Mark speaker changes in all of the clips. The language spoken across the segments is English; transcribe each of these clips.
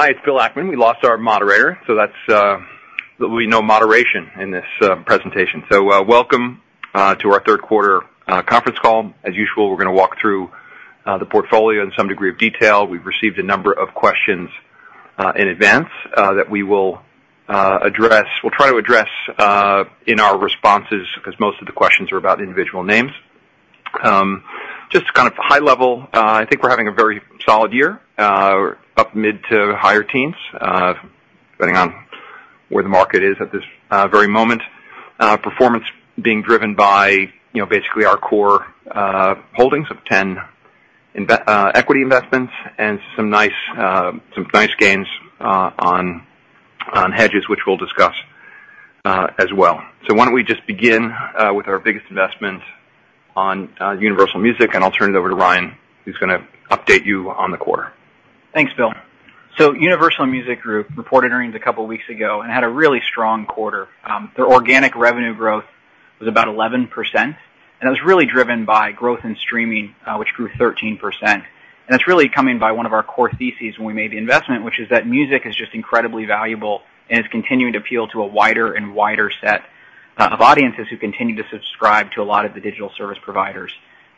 Speaker 1: Hi, it's Bill Ackman. We lost our moderator, so that's, there will be no moderation in this presentation. So, welcome to our third quarter conference call. As usual, we're gonna walk through the portfolio in some degree of detail. We've received a number of questions in advance that we will address. We'll try to address in our responses, because most of the questions are about individual names. Just kind of high level, I think we're having a very solid year, up mid to higher teens, depending on where the market is at this very moment. Performance being driven by, you know, basically our core holdings of 10 equity investments and some nice gains on hedges, which we'll discuss as well. Why don't we just begin with our biggest investment on Universal Music, and I'll turn it over to Ryan, who's gonna update you on the quarter.
Speaker 2: Thanks, Bill. So Universal Music Group reported earnings a couple of weeks ago and had a really strong quarter. Their organic revenue growth was about 11%, and that was really driven by growth in streaming, which grew 13%. And that's really coming by one of our core theses when we made the investment, which is that music is just incredibly valuable and is continuing to appeal to a wider and wider set of audiences who continue to subscribe to a lot of the digital service providers.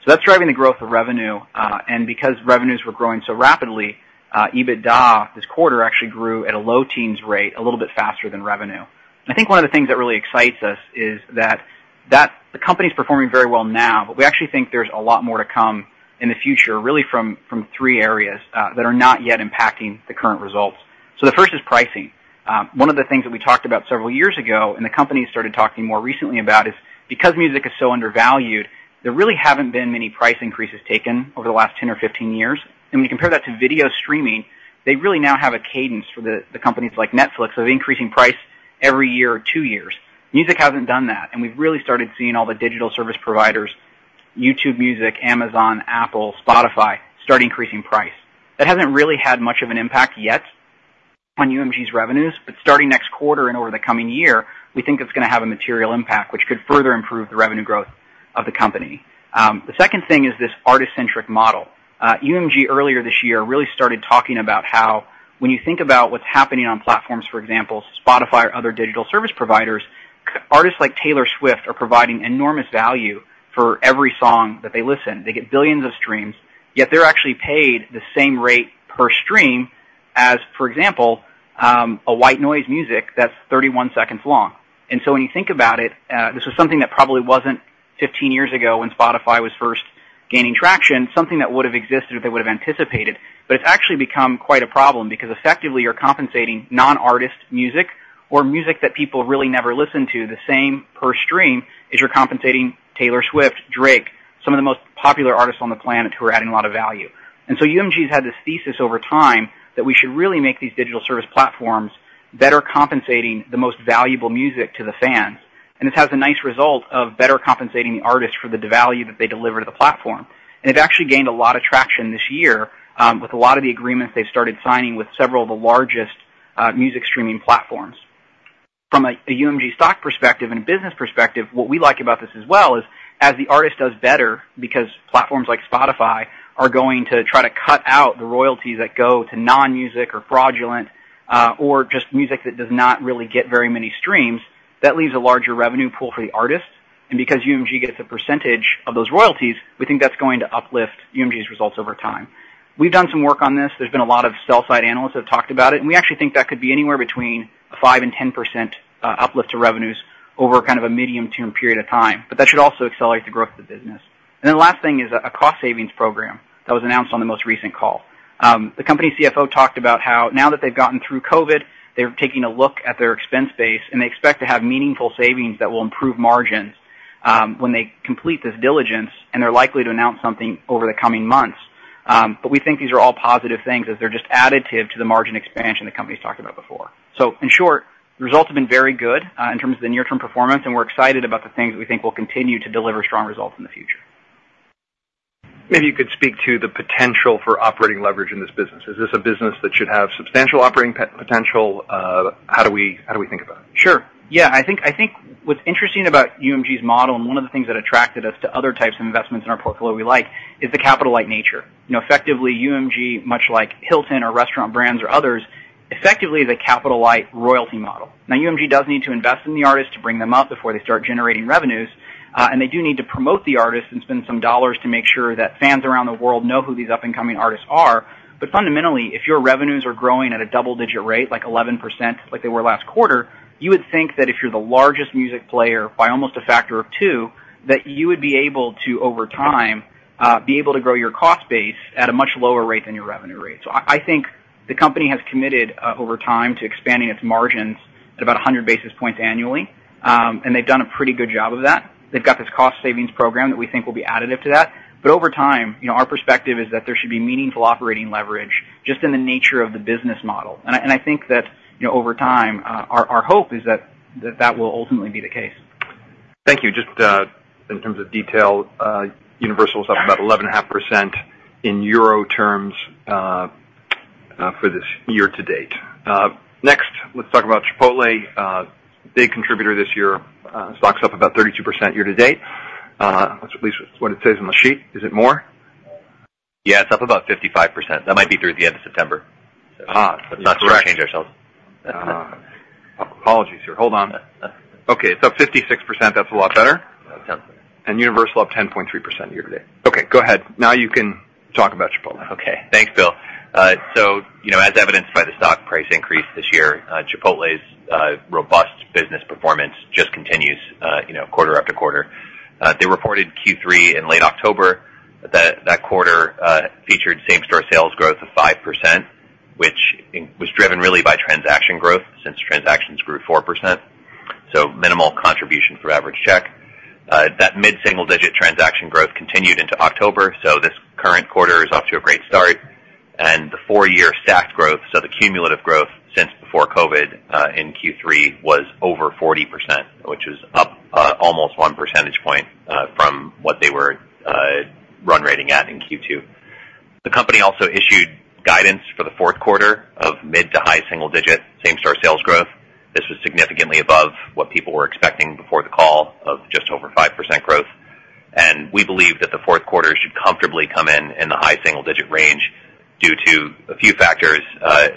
Speaker 2: So that's driving the growth of revenue. And because revenues were growing so rapidly, EBITDA, this quarter, actually grew at a low teens rate, a little bit faster than revenue. I think one of the things that really excites us is that the company is performing very well now, but we actually think there's a lot more to come in the future, really, from three areas that are not yet impacting the current results. So the first is pricing. One of the things that we talked about several years ago, and the company started talking more recently about, is because music is so undervalued, there really haven't been many price increases taken over the last 10 or 15 years. And when you compare that to video streaming, they really now have a cadence for the companies like Netflix, of increasing price every year or two years. Music hasn't done that, and we've really started seeing all the digital service providers, YouTube Music, Amazon, Apple, Spotify, start increasing price. That hasn't really had much of an impact yet on UMG's revenues, but starting next quarter and over the coming year, we think it's gonna have a material impact, which could further improve the revenue growth of the company. The second thing is this artist-centric model. UMG, earlier this year, really started talking about how when you think about what's happening on platforms, for example, Spotify or other digital service providers, artists like Taylor Swift are providing enormous value for every song that they listen. They get billions of streams, yet they're actually paid the same rate per stream as, for example, a white noise music that's 31 seconds long. And so when you think about it, this was something that probably wasn't 15 years ago when Spotify was first gaining traction, something that would have existed if they would have anticipated. But it's actually become quite a problem because effectively you're compensating non-artist music or music that people really never listen to, the same per stream, as you're compensating Taylor Swift, Drake, some of the most popular artists on the planet who are adding a lot of value. And so UMG's had this thesis over time, that we should really make these digital service platforms better compensating the most valuable music to the fans. And it actually gained a lot of traction this year with a lot of the agreements they've started signing with several of the largest music streaming platforms. From a UMG stock perspective and a business perspective, what we like about this as well is, as the artist does better, because platforms like Spotify are going to try to cut out the royalties that go to non-music or fraudulent, or just music that does not really get very many streams, that leaves a larger revenue pool for the artists. And because UMG gets a percentage of those royalties, we think that's going to uplift UMG's results over time. We've done some work on this. There's been a lot of sell-side analysts have talked about it, and we actually think that could be anywhere between 5%-10% uplift to revenues over kind of a medium-term period of time. But that should also accelerate the growth of the business. And then last thing is a cost savings program that was announced on the most recent call. The company CFO talked about how now that they've gotten through COVID, they're taking a look at their expense base, and they expect to have meaningful savings that will improve margins, when they complete this diligence, and they're likely to announce something over the coming months. But we think these are all positive things, as they're just additive to the margin expansion the company's talked about before. So in short, the results have been very good, in terms of the near-term performance, and we're excited about the things we think will continue to deliver strong results in the future.
Speaker 1: Maybe you could speak to the potential for operating leverage in this business. Is this a business that should have substantial operating potential? How do we think about it?
Speaker 2: Sure. Yeah, I think, I think what's interesting about UMG's model, and one of the things that attracted us to other types of investments in our portfolio we like, is the capital-light nature. You know, effectively, UMG, much like Hilton or Restaurant Brands or others, effectively, the capital-light royalty model. Now, UMG does need to invest in the artists to bring them up before they start generating revenues, and they do need to promote the artists and spend some dollars to make sure that fans around the world know who these up-and-coming artists are. But fundamentally, if your revenues are growing at a double-digit rate, like 11%, like they were last quarter, you would think that if you're the largest music player by almost a factor of two, that you would be able to, over time, be able to grow your cost base at a much lower rate than your revenue rate. So I, I think the company has committed, over time to expanding its margins at about 100 basis points annually. And they've done a pretty good job of that. They've got this cost savings program that we think will be additive to that. But over time, you know, our perspective is that there should be meaningful operating leverage just in the nature of the business model. I think that, you know, over time, our hope is that will ultimately be the case.
Speaker 1: Thank you. Just, in terms of detail, Universal is up about 11.5% in Euro terms, for this year to date. Let's talk about Chipotle, big contributor this year. Stock's up about 32% year to date. That's at least what it says on the sheet. Is it more?
Speaker 3: Yeah, it's up about 55%. That might be through the end of September.
Speaker 1: Ah,
Speaker 3: Let's not shortchange ourselves.
Speaker 1: Apologies, sir. Hold on. Okay, it's up 56%. That's a lot better.
Speaker 3: Okay.
Speaker 1: Universal, up 10.3% year to date. Okay, go ahead. Now you can talk about Chipotle.
Speaker 3: Okay, thanks, Bill. So, you know, as evidenced by the stock price increase this year, Chipotle's robust business performance just continues, you know, quarter after quarter. They reported Q3 in late October. That quarter featured same-store sales growth of 5%, which was driven really by transaction growth, since transactions grew 4%, so minimal contribution for average check. That mid-single-digit transaction growth continued into October, so this current quarter is off to a great start. The four-year stacked growth, so the cumulative growth since before COVID, in Q3, was over 40%, which is up almost 1 percentage point from what they were run-rate at in Q2. The company also issued guidance for the fourth quarter of mid- to high-single-digit same-store sales growth. This was significantly above what people were expecting before the call of just over 5% growth. We believe that the fourth quarter should comfortably come in, in the high single-digit range due to a few factors,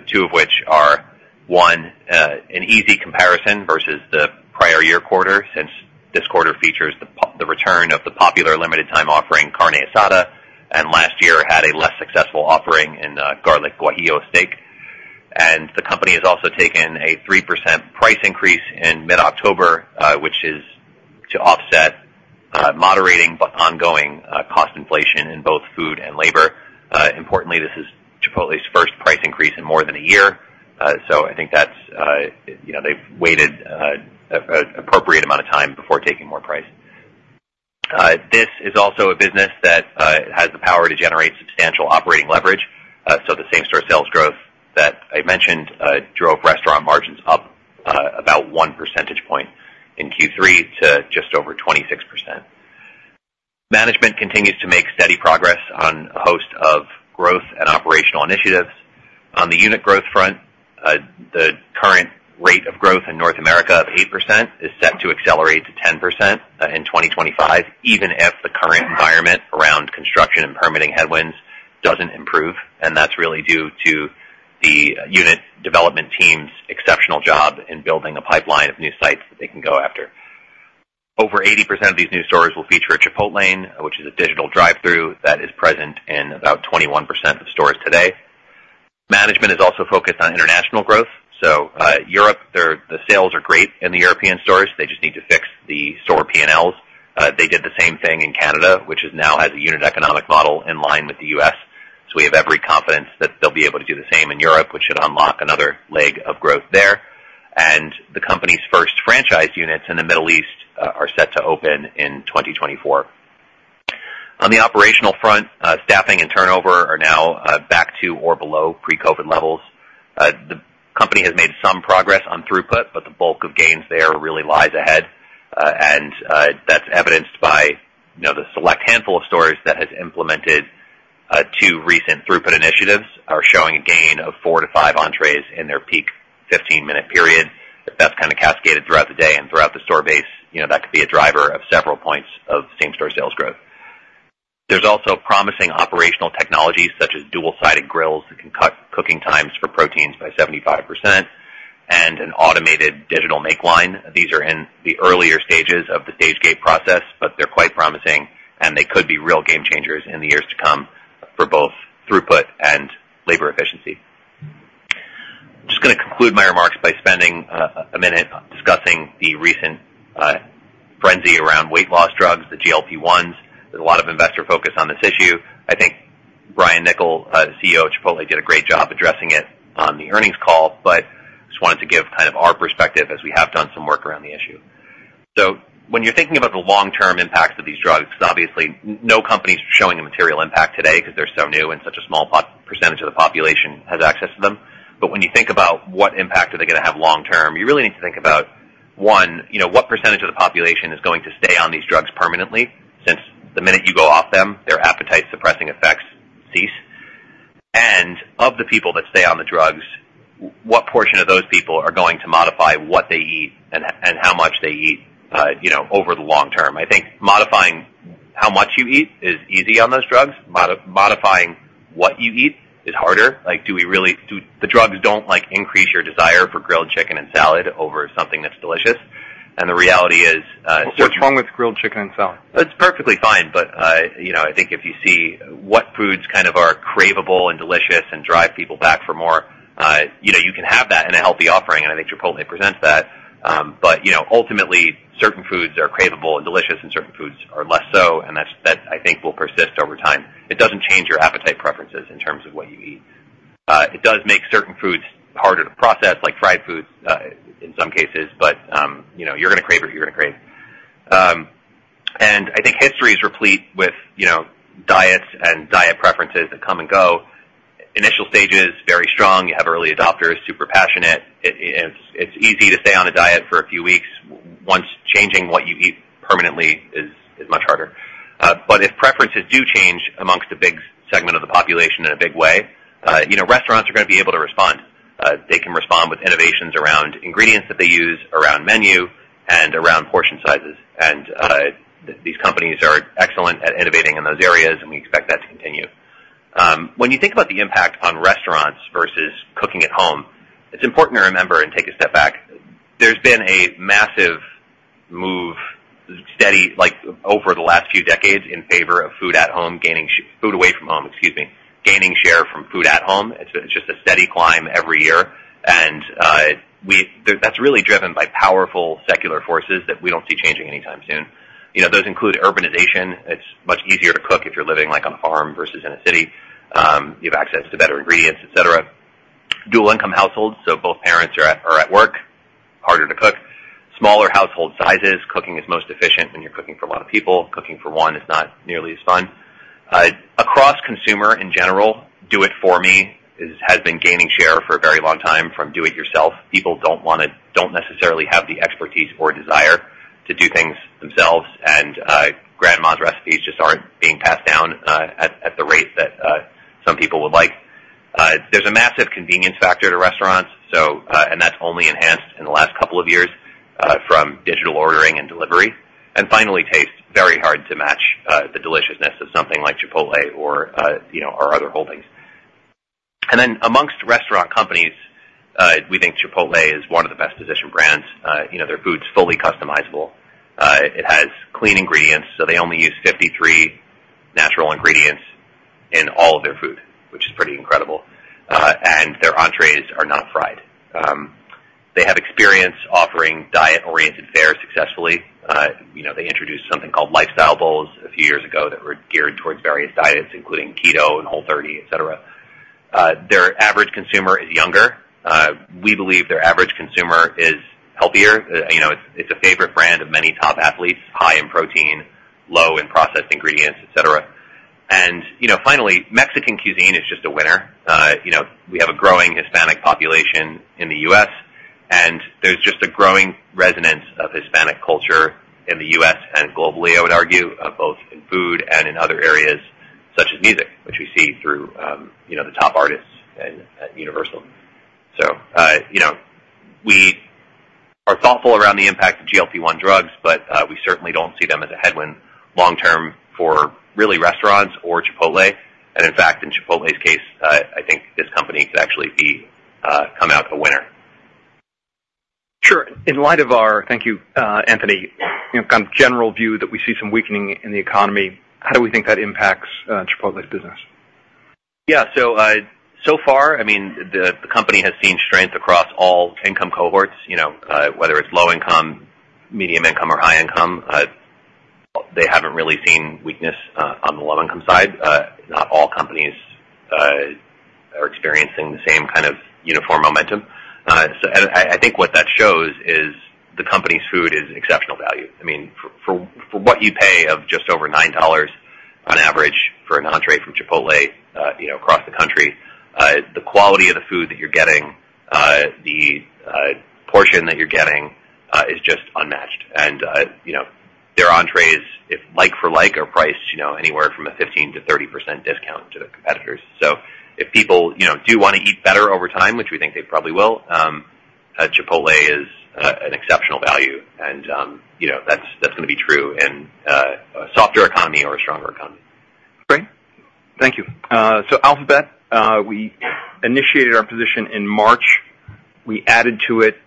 Speaker 3: two of which are, one, an easy comparison versus the prior year quarter, since this quarter features the return of the popular limited time offering, Carne Asada, and last year had a less successful offering in Garlic Guajillo Steak. The company has also taken a 3% price increase in mid-October, which is to offset moderating but ongoing cost inflation in both food and labor. Importantly, this is Chipotle's first price increase in more than a year. So I think that's, you know, they've waited appropriate amount of time before taking more price. This is also a business that has the power to generate substantial operating leverage. So the same-store sales growth that I mentioned drove restaurant margins up about one percentage point in Q3 to just over 26%. Management continues to make steady progress on a host of growth and operational initiatives. On the unit growth front, the current rate of growth in North America of 8% is set to accelerate to 10% in 2025, even if the current environment around construction and permitting headwinds doesn't improve. That's really due to the unit development team's exceptional job in building a pipeline of new sites that they can go after. Over 80% of these new stores will feature a Chipotlane, which is a digital drive-through that is present in about 21% of stores today. Management is also focused on international growth. Europe, their, the sales are great in the European stores. They just need to fix the store P&Ls. They did the same thing in Canada, which now has a unit economic model in line with the U.S. So we have every confidence that they'll be able to do the same in Europe, which should unlock another leg of growth there. The company's first franchise units in the Middle East are set to open in 2024. On the operational front, staffing and turnover are now back to or below pre-COVID levels. The company has made some progress on throughput, but the bulk of gains there really lies ahead. And that's evidenced by, you know, the select handful of stores that has implemented two recent throughput initiatives, are showing a gain of four to five entrees in their peak 15-minute period. If that's kind of cascaded throughout the day and throughout the store base, you know, that could be a driver of several points of same-store sales growth. There's also promising operational technologies, such as dual-sided grills, that can cut cooking times for proteins by 75%, and an automated digital make line. These are in the earlier stages of the Stage-Gate process, but they're quite promising, and they could be real game changers in the years to come for both throughput and labor efficiency. Just gonna conclude my remarks by spending a minute discussing the recent frenzy around weight loss drugs, the GLP-1s. There's a lot of investor focus on this issue. I think Brian Niccol, CEO of Chipotle, did a great job addressing it on the earnings call, but just wanted to give kind of our perspective as we have done some work around the issue. So when you're thinking about the long-term impacts of these drugs, obviously, no company is showing a material impact today because they're so new and such a small percentage of the population has access to them. But when you think about what impact are they gonna have long term, you really need to think about, one, you know, what percentage of the population is going to stay on these drugs permanently? Since the minute you go off them, their appetite-suppressing effects cease. Of the people that stay on the drugs, what portion of those people are going to modify what they eat and, and how much they eat, you know, over the long term? I think modifying how much you eat is easy on those drugs. Modifying what you eat is harder. Like, do we really... The drugs don't, like, increase your desire for grilled chicken and salad over something that's delicious. And the reality is,
Speaker 1: What's wrong with grilled chicken and salad?
Speaker 3: It's perfectly fine, but, you know, I think if you see what foods kind of are craveable and delicious and drive people back for more, you know, you can have that in a healthy offering, and I think Chipotle presents that. But, you know, ultimately, certain foods are craveable and delicious, and certain foods are less so, and that's, I think, will persist over time. It doesn't change your appetite preferences in terms of what you eat. It does make certain foods harder to process, like fried foods, in some cases, but, you know, you're gonna crave what you're gonna crave. And I think history is replete with, you know, diets and diet preferences that come and go. Initial stages, very strong. You have early adopters, super passionate. It's easy to stay on a diet for a few weeks. Once... Changing what you eat permanently is much harder. But if in a big way, you know, restaurants are going to be able to respond. They can respond with innovations around ingredients that they use, around menu, and around portion sizes. And, these companies are excellent at innovating in those areas, and we expect that to continue. When you think about the impact on restaurants versus cooking at home, it's important to remember and take a step back. There's been a massive move, steady, like, over the last few decades in favor of food at home, gaining food away from home, excuse me, gaining share from food at home. It's just a steady climb every year. And, that's really driven by powerful secular forces that we don't see changing anytime soon. You know, those include urbanization. It's much easier to cook if you're living, like, on a farm versus in a city. You have access to better ingredients, et cetera. Dual income households, so both parents are at work, harder to cook. Smaller household sizes. Cooking is most efficient when you're cooking for a lot of people. Cooking for one is not nearly as fun. Across consumer, in general, do it for me has been gaining share for a very long time from do it yourself. People don't necessarily have the expertise or desire to do things themselves, and grandma's recipes just aren't being passed down at the rate that some people would like. There's a massive convenience factor to restaurants, so... And that's only enhanced in the last couple of years from digital ordering and delivery. Finally, taste, very hard to match the deliciousness of something like Chipotle or, you know, our other holdings. Then amongst restaurant companies, we think Chipotle is one of the best positioned brands. You know, their food's fully customizable. It has clean ingredients, so they only use 53 natural ingredients in all of their food, which is pretty incredible. And their entrees are not fried. They have experience offering diet-oriented fare successfully. You know, they introduced something called Lifestyle Bowls a few years ago that were geared towards various diets, including Keto and Whole30, et cetera. Their average consumer is younger. We believe their average consumer is healthier. You know, it's, it's a favorite brand of many top athletes, high in protein, low in processed ingredients, et cetera. And, you know, finally, Mexican cuisine is just a winner. You know, we have a growing Hispanic population in the U.S., and there's just a growing resonance of Hispanic culture in the U.S. and globally, I would argue, both in food and in other areas such as music, which we see through, you know, the top artists at Universal. So, you know, we are thoughtful around the impact of GLP-1 drugs, but we certainly don't see them as a headwind long term for really restaurants or Chipotle. And in fact, in Chipotle's case, I think this company could actually be, come out the winner.
Speaker 1: Sure. In light of our... Thank you, Anthony, you know, kind of general view that we see some weakening in the economy, how do we think that impacts Chipotle's business?
Speaker 3: Yeah. So, so far, I mean, the company has seen strength across all income cohorts, you know, whether it's low income, medium income, or high income. They haven't really seen weakness on the low income side. Not all companies are experiencing the same kind of uniform momentum. So I think what that shows is the company's food is exceptional value. I mean, for what you pay of just over $9 on average for an entree from Chipotle, you know, across the country, the quality of the food that you're getting, the portion that you're getting, is just unmatched. And, you know, their entrees, if like for like, are priced, you know, anywhere from a 15%-30% discount to their competitors. So if people, you know, do wanna eat better over time, which we think they probably will, Chipotle is an exceptional value, and, you know, that's, that's gonna be true in a softer economy or a stronger economy.
Speaker 1: Great. Thank you. So Alphabet, we initiated our position in March. We added to it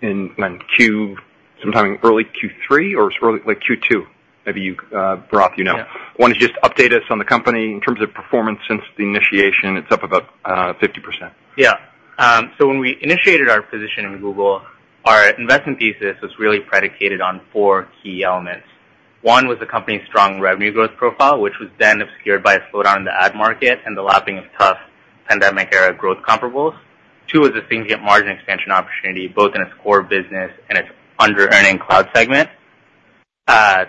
Speaker 1: in Q-- sometime in early Q3 or it's early, like Q2. Maybe you, Bharath, you know.
Speaker 4: Yeah.
Speaker 1: Want to just update us on the company in terms of performance since the initiation? It's up about 50%.
Speaker 4: Yeah. So when we initiated our position in Google, our investment thesis was really predicated on four key elements. One, was the company's strong revenue growth profile, which was then obscured by a slowdown in the ad market and the lapping of tough pandemic-era growth comparables. Two, was a significant margin expansion opportunity, both in its core business and its underearning cloud segment.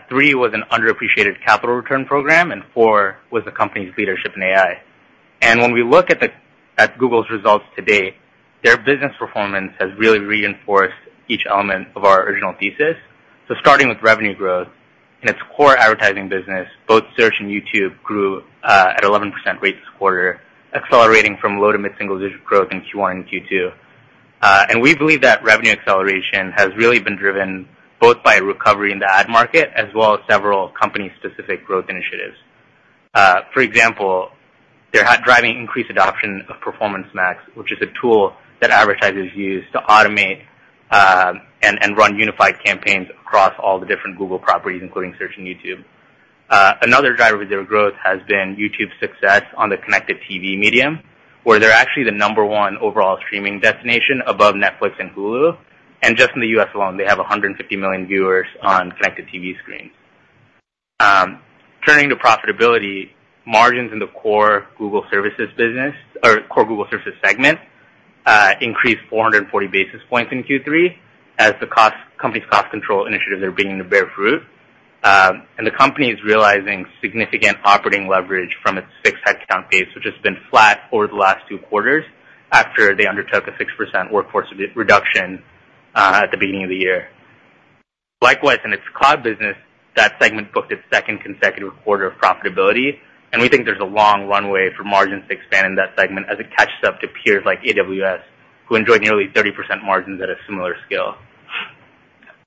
Speaker 4: Three, was an underappreciated capital return program, and four, was the company's leadership in AI. And when we look at Google's results to date, their business performance has really reinforced each element of our original thesis. So starting with revenue growth, in its core advertising business, both Search and YouTube grew at 11% rate this quarter, accelerating from low to mid-single digit growth in Q1 and Q2. And we believe that revenue acceleration has really been driven both by recovery in the ad market as well as several company-specific growth initiatives. For example, they're driving increased adoption of Performance Max, which is a tool that advertisers use to automate and run unified campaigns across all the different Google properties, including Search and YouTube. Another driver of their growth has been YouTube's success on the Connected TV medium, where they're actually the number one overall streaming destination above Netflix and Hulu. Just in the U.S. alone, they have 150 million viewers on Connected TV screens. Turning to profitability, margins in the core Google Services business or core Google Services segment increased 440 basis points in Q3 as the company's cost control initiatives are beginning to bear fruit. and the company is realizing significant operating leverage from its fixed headcount base, which has been flat over the last two quarters after they undertook a 6% workforce reduction at the beginning of the year. Likewise, in its cloud business, that segment booked its second consecutive quarter of profitability, and we think there's a long runway for margins to expand in that segment as it catches up to peers like AWS, who enjoyed nearly 30% margins at a similar scale.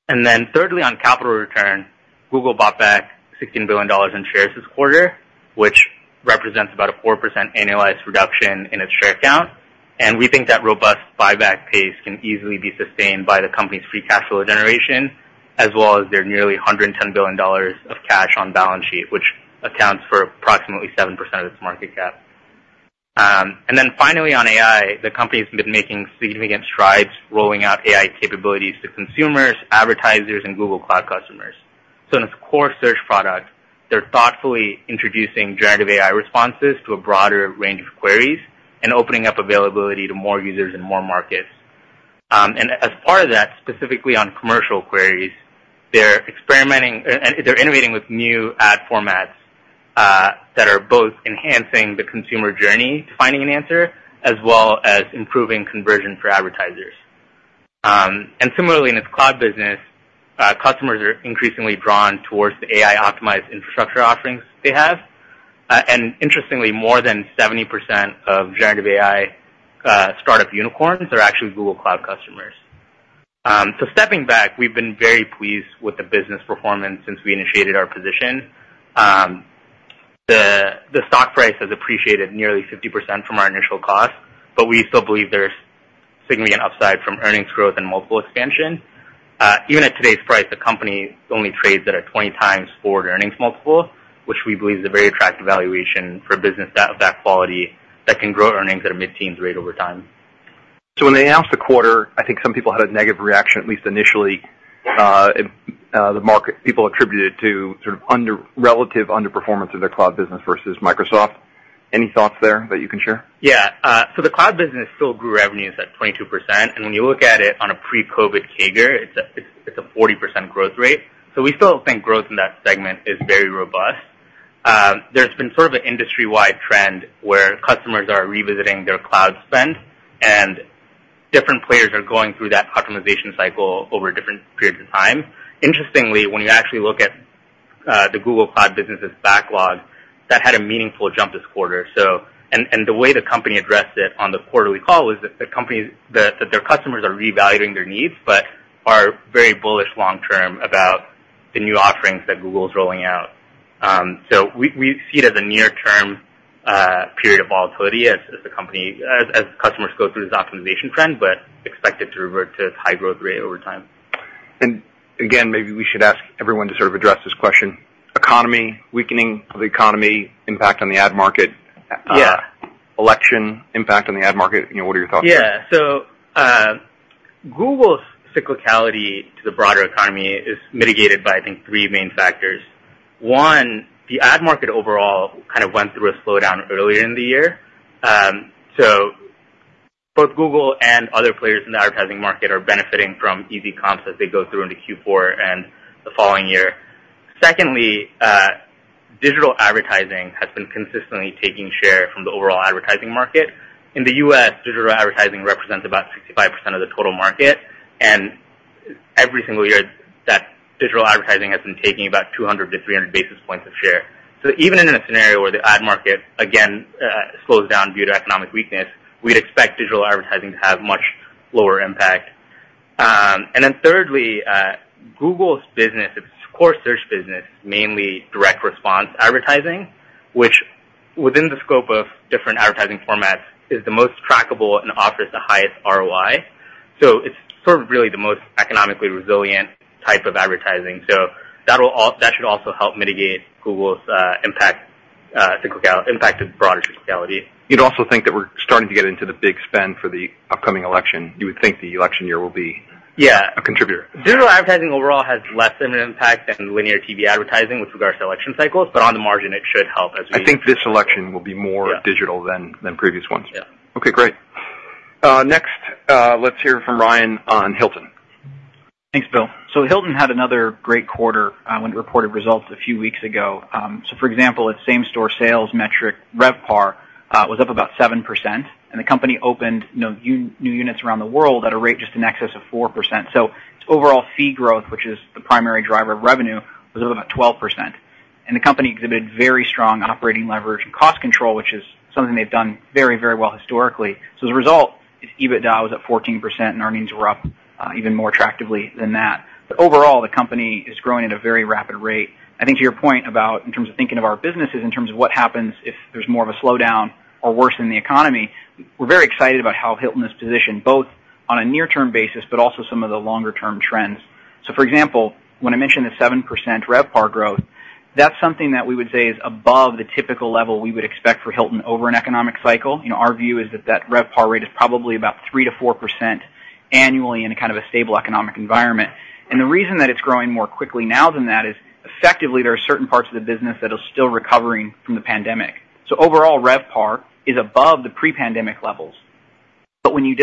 Speaker 4: And then thirdly, on capital return, Google bought back $16 billion in shares this quarter, which represents about a 4% annualized reduction in its share count. We think that robust buyback pace can easily be sustained by the company's free cash flow generation, as well as their nearly $110 billion of cash on balance sheet, which accounts for approximately 7% of its market cap. And then finally, on AI, the company's been making significant strides rolling out AI capabilities to consumers, advertisers, and Google Cloud customers. In its core search product, they're thoughtfully introducing generative AI responses to a broader range of queries and opening up availability to more users in more markets. And as part of that, specifically on commercial queries, they're innovating with new ad formats that are both enhancing the consumer journey to finding an answer, as well as improving conversion for advertisers. And similarly, in its cloud business, customers are increasingly drawn towards the AI-optimized infrastructure offerings they have. And interestingly, more than 70% of generative AI startup unicorns are actually Google Cloud customers. So stepping back, we've been very pleased with the business performance since we initiated our position. The stock price has appreciated nearly 50% from our initial cost, but we still believe there's significant upside from earnings growth and multiple expansion. Even at today's price, the company only trades at a 20x forward earnings multiple, which we believe is a very attractive valuation for a business of that quality that can grow earnings at a mid-teens rate over time.
Speaker 1: So when they announced the quarter, I think some people had a negative reaction, at least initially. The market people attributed it to sort of relative underperformance of their cloud business versus Microsoft. Any thoughts there that you can share?
Speaker 4: Yeah, so the cloud business still grew revenues at 22%, and when you look at it on a pre-COVID CAGR, it's a 40% growth rate. So we still think growth in that segment is very robust. There's been sort of an industry-wide trend where customers are revisiting their cloud spend, and different players are going through that optimization cycle over different periods of time. Interestingly, when you actually look at the Google Cloud business's backlog, that had a meaningful jump this quarter. So. And the way the company addressed it on the quarterly call was that the company their customers are reevaluating their needs, but are very bullish long-term about the new offerings that Google is rolling out. So we see it as a near-term period of volatility as customers go through this optimization trend, but expect it to revert to its high growth rate over time.
Speaker 1: And again, maybe we should ask everyone to sort of address this question: economy, weakening of the economy, impact on the ad market.
Speaker 4: Yeah.
Speaker 1: Election, impact on the ad market. You know, what are your thoughts?
Speaker 4: Yeah. So, Google's cyclicality to the broader economy is mitigated by, I think, three main factors. One, the ad market overall kind of went through a slowdown earlier in the year. So both Google and other players in the advertising market are benefiting from easy comps as they go through into Q4 and the following year. Secondly, digital advertising has been consistently taking share from the overall advertising market. In the U.S., digital advertising represents about 65% of the total market, and every single year, that digital advertising has been taking about 200-300 basis points of share. So even in a scenario where the ad market again, slows down due to economic weakness, we'd expect digital advertising to have much lower impact. and then thirdly, Google's business, its core search business, mainly direct response advertising, which within the scope of different advertising formats, is the most trackable and offers the highest ROI. So it's sort of really the most economically resilient type of advertising. So that'll that should also help mitigate Google's impact of broader cyclicality.
Speaker 1: You'd also think that we're starting to get into the big spend for the upcoming election. You would think the election year will be-
Speaker 4: Yeah.
Speaker 1: -a contributor.
Speaker 4: Digital advertising overall has less of an impact than linear TV advertising with regards to election cycles, but on the margin, it should help as we-
Speaker 1: I think this election will be more-
Speaker 4: Yeah.
Speaker 1: digital than previous ones.
Speaker 4: Yeah.
Speaker 1: Okay, great. Next, let's hear from Ryan on Hilton.
Speaker 2: Thanks, Bill. So Hilton had another great quarter when it reported results a few weeks ago. So for example, its same-store sales metric, RevPAR, was up about 7%, and the company opened, you know, new, new units around the world at a rate just in excess of 4%. So its overall fee growth, which is the primary driver of revenue, was up about 12%. And the company exhibited very strong operating leverage and cost control, which is something they've done very, very well historically. So as a result, its EBITDA was at 14%, and earnings were up even more attractively than that. But overall, the company is growing at a very rapid rate. I think to your point about in terms of thinking of our businesses, in terms of what happens if there's more of a slowdown or worse in the economy, we're very excited about how Hilton is positioned, both on a near-term basis, but also some of the longer-term trends. So for example, when I mentioned the 7% RevPAR growth, that's something that we would say is above the typical level we would expect for Hilton over an economic cycle. You know, our view is that that RevPAR rate is probably about 3%-4% annually in a kind of a stable economic environment. And the reason that it's growing more quickly now than that is effectively, there are certain parts of the business that are still recovering from the pandemic. So overall, RevPAR is above the pre-pandemic levels. But when you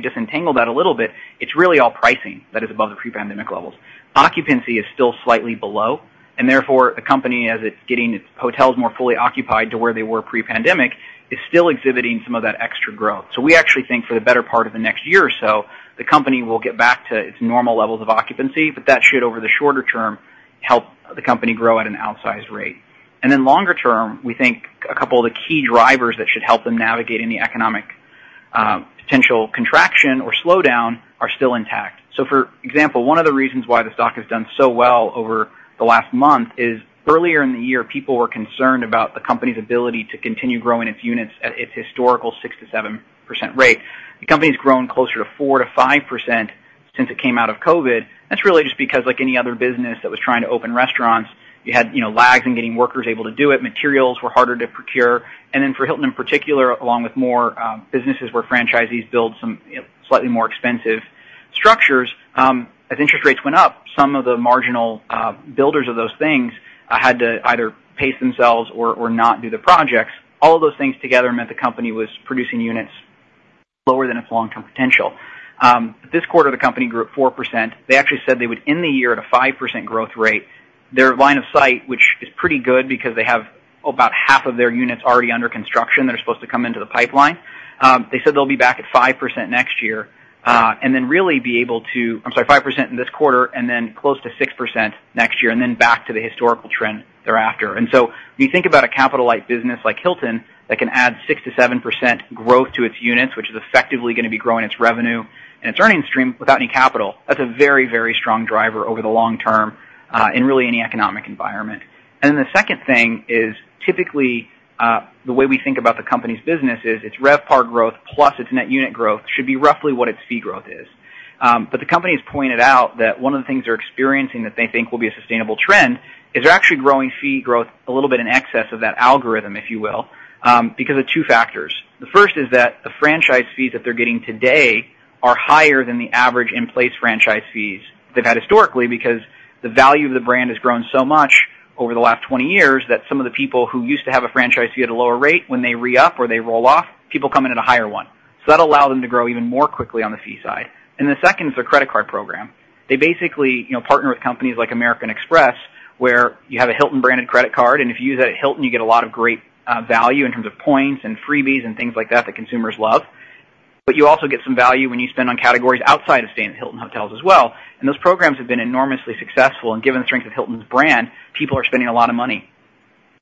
Speaker 2: disentangle that a little bit, it's really all pricing that is above the pre-pandemic levels. Occupancy is still slightly below. And therefore, the company, as it's getting its hotels more fully occupied to where they were pre-pandemic, is still exhibiting some of that extra growth. So we actually think for the better part of the next year or so, the company will get back to its normal levels of occupancy, but that should, over the shorter term, help the company grow at an outsized rate. And then longer term, we think a couple of the key drivers that should help them navigate any economic potential contraction or slowdown are still intact. So, for example, one of the reasons why the stock has done so well over the last month is earlier in the year, people were concerned about the company's ability to continue growing its units at its historical 6%-7% rate. The company's grown closer to 4%-5% since it came out of COVID. That's really just because, like any other business that was trying to open restaurants, you had, you know, lags in getting workers able to do it. Materials were harder to procure. And then for Hilton, in particular, along with more, businesses where franchisees build some, you know, slightly more expensive structures, as interest rates went up, some of the marginal, builders of those things, had to either pace themselves or not do the projects. All of those things together meant the company was producing units lower than its long-term potential. This quarter, the company grew at 4%. They actually said they would end the year at a 5% growth rate. Their line of sight, which is pretty good because they have about half of their units already under construction, that are supposed to come into the pipeline. They said they'll be back at 5% next year, and then really be able to... I'm sorry, 5% in this quarter, and then close to 6% next year, and then back to the historical trend thereafter. And so when you think about a capital-like business like Hilton, that can add 6%-7% growth to its units, which is effectively gonna be growing its revenue and its earnings stream without any capital, that's a very, very strong driver over the long term in really any economic environment. And then the second thing is, typically, the way we think about the company's business is, its RevPAR growth plus its net unit growth should be roughly what its fee growth is. But the company has pointed out that one of the things they're experiencing, that they think will be a sustainable trend, is they're actually growing fee growth a little bit in excess of that algorithm, if you will, because of two factors. The first is that the franchise fees that they're getting today are higher than the average in-place franchise fees they've had historically, because the value of the brand has grown so much over the last 20 years, that some of the people who used to have a franchisee at a lower rate, when they re-up or they roll off, people come in at a higher one. So that'll allow them to grow even more quickly on the fee side. And the second is their credit card program. They basically, you know, partner with companies like American Express, where you have a Hilton-branded credit card, and if you use it at Hilton, you get a lot of great value in terms of points and freebies and things like that, that consumers love. But you also get some value when you spend on categories outside of staying at Hilton hotels as well. And those programs have been enormously successful, and given the strength of Hilton's brand, people are spending a lot of money.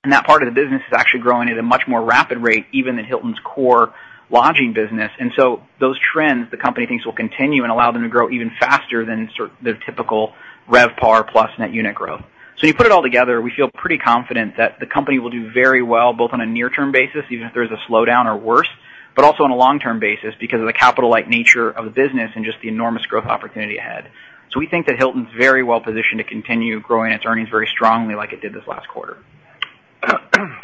Speaker 2: And that part of the business is actually growing at a much more rapid rate, even than Hilton's core lodging business. And so those trends, the company thinks, will continue and allow them to grow even faster than the typical RevPAR plus net unit growth. So you put it all together, we feel pretty confident that the company will do very well, both on a near-term basis, even if there's a slowdown or worse, but also on a long-term basis, because of the capital-like nature of the business and just the enormous growth opportunity ahead. We think that Hilton's very well positioned to continue growing its earnings very strongly, like it did this last quarter.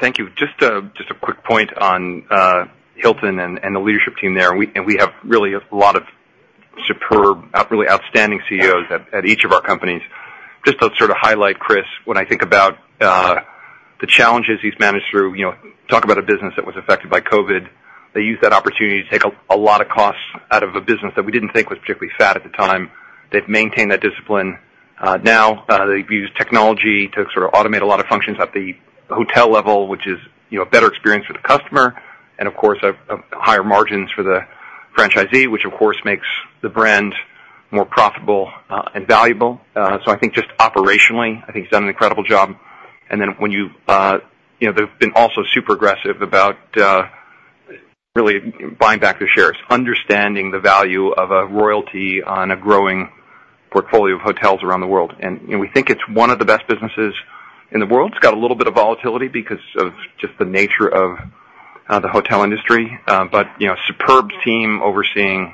Speaker 1: Thank you. Just a quick point on Hilton and the leadership team there. We have really a lot of superb, really outstanding CEOs at each of our companies. Just to sort of highlight Chris, when I think about the challenges he's managed through, you know, talk about a business that was affected by COVID. They used that opportunity to take a lot of costs out of a business that we didn't think was particularly fat at the time. They've maintained that discipline. Now, they've used technology to sort of automate a lot of functions at the hotel level, which is, you know, a better experience for the customer and, of course, a higher margins for the franchisee, which, of course, makes the brand more profitable and valuable. So I think just operationally, I think he's done an incredible job. And then when you've... You know, they've been also super aggressive about really buying back their shares, understanding the value of a royalty on a growing portfolio of hotels around the world. And we think it's one of the best businesses in the world. It's got a little bit of volatility because of just the nature of the hotel industry. But you know, superb team overseeing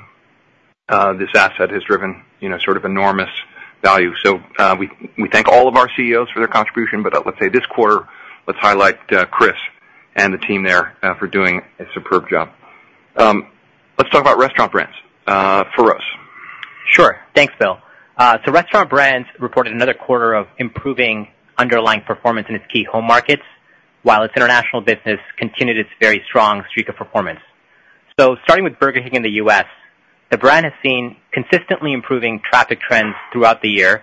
Speaker 1: this asset has driven you know, sort of enormous value. So we thank all of our CEOs for their contribution, but let's say this quarter, let's highlight Chris and the team there for doing a superb job. Let's talk about Restaurant Brands, Feroz.
Speaker 2: Sure. Thanks, Bill. So Restaurant Brands reported another quarter of improving underlying performance in its key home markets, while its international business continued its very strong streak of performance. So starting with Burger King in the U.S., the brand has seen consistently improving traffic trends throughout the year,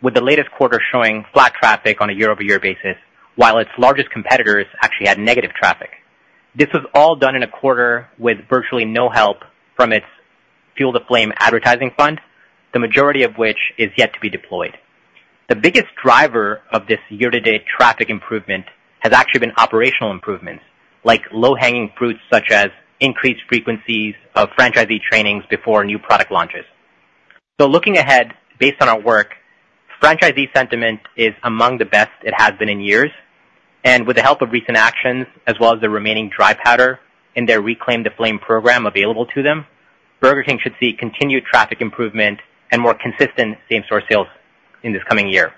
Speaker 2: with the latest quarter showing flat traffic on a year-over-year basis, while its largest competitors actually had negative traffic. This was all done in a quarter with virtually no help from its Reclaim the Flame advertising fund, the majority of which is yet to be deployed. The biggest driver of this year-to-date traffic improvement has actually been operational improvements, like low-hanging fruits, such as increased frequencies of franchisee trainings before new product launches.
Speaker 5: So looking ahead, based on our work, franchisee sentiment is among the best it has been in years, and with the help of recent actions, as well as the remaining dry powder in their Reclaim the Flame program available to them, Burger King should see continued traffic improvement and more consistent same-store sales in this coming year.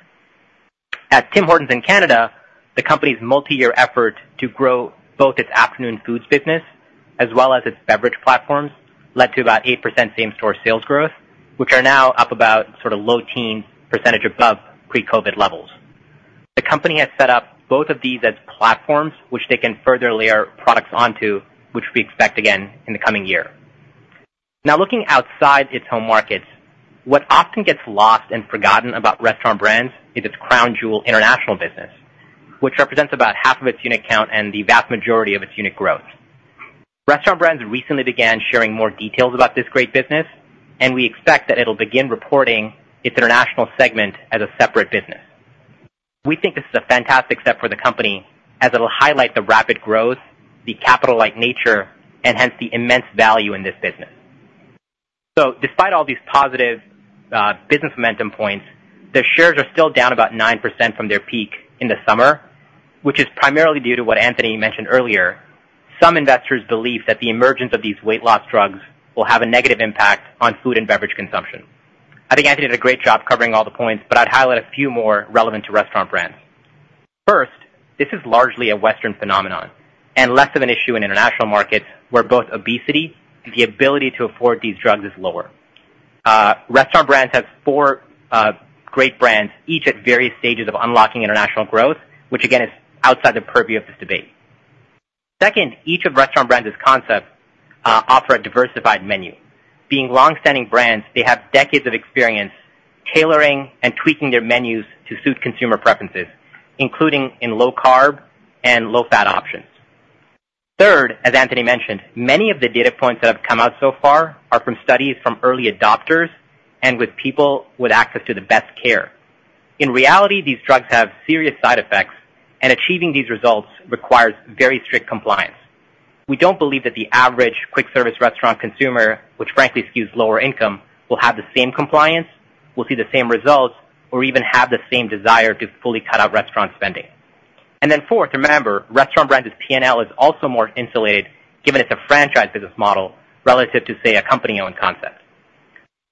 Speaker 5: At Tim Hortons in Canada, the company's multi-year effort to grow both its afternoon foods business as well as its beverage platforms, led to about 8% same-store sales growth, which are now up about sort of low teen percentage above pre-COVID levels. The company has set up both of these as platforms, which they can further layer products onto, which we expect again in the coming year.... Now looking outside its home markets, what often gets lost and forgotten about Restaurant Brands is its crown jewel international business, which represents about half of its unit count and the vast majority of its unit growth. Restaurant Brands recently began sharing more details about this great business, and we expect that it'll begin reporting its international segment as a separate business. We think this is a fantastic step for the company, as it'll highlight the rapid growth, the capital-like nature, and hence the immense value in this business. So despite all these positive business momentum points, the shares are still down about 9% from their peak in the summer, which is primarily due to what Anthony mentioned earlier. Some investors believe that the emergence of these weight loss drugs will have a negative impact on food and beverage consumption. I think Anthony did a great job covering all the points, but I'd highlight a few more relevant to Restaurant Brands. First, this is largely a Western phenomenon and less of an issue in international markets, where both obesity and the ability to afford these drugs is lower. Restaurant Brands has four great brands, each at various stages of unlocking international growth, which, again, is outside the purview of this debate. Second, each of Restaurant Brands's concepts offer a diversified menu. Being longstanding brands, they have decades of experience tailoring and tweaking their menus to suit consumer preferences, including in low carb and low fat options. Third, as Anthony mentioned, many of the data points that have come out so far are from studies from early adopters and with people with access to the best care. In reality, these drugs have serious side effects, and achieving these results requires very strict compliance. We don't believe that the average quick service restaurant consumer, which frankly skews lower income, will have the same compliance, will see the same results, or even have the same desire to fully cut out restaurant spending. And then fourth, remember, Restaurant Brands's P&L is also more insulated, given it's a franchise business model relative to, say, a company-owned concept.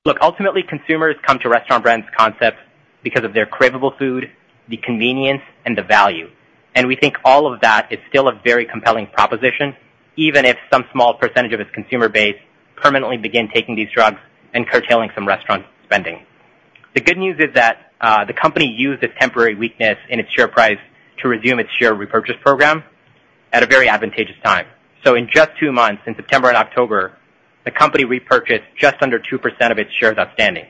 Speaker 5: Look, ultimately, consumers come to Restaurant Brands concepts because of their cravable food, the convenience, and the value, and we think all of that is still a very compelling proposition, even if some small percentage of its consumer base permanently begin taking these drugs and curtailing some restaurant spending. The good news is that, the company used its temporary weakness in its share price to resume its share repurchase program at a very advantageous time. So in just two months, in September and October, the company repurchased just under 2% of its shares outstanding.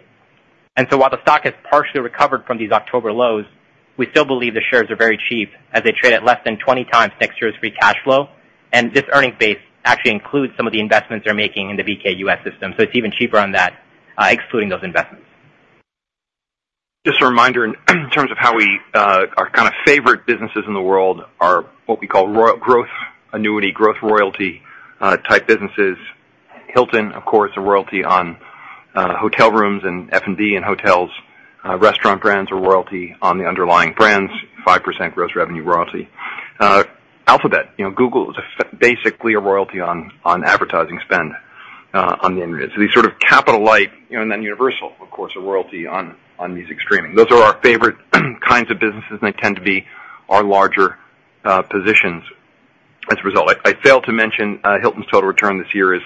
Speaker 5: And so while the stock has partially recovered from these October lows, we still believe the shares are very cheap as they trade at less than 20x next year's free cash flow. And this earnings base actually includes some of the investments they're making in the BK US system, so it's even cheaper on that, excluding those investments.
Speaker 1: Just a reminder, in terms of how we, our kind of favorite businesses in the world are what we call royalty growth annuity, growth royalty type businesses. Hilton, of course, a royalty on hotel rooms and F&B and hotels. Restaurant Brands are royalty on the underlying brands, 5% gross revenue royalty. Alphabet, you know, Google is basically a royalty on advertising spend on the internet. So these sort of capital light, you know, and then Universal, of course, a royalty on music streaming. Those are our favorite kinds of businesses, and they tend to be our larger positions as a result. I failed to mention Hilton's total return this year is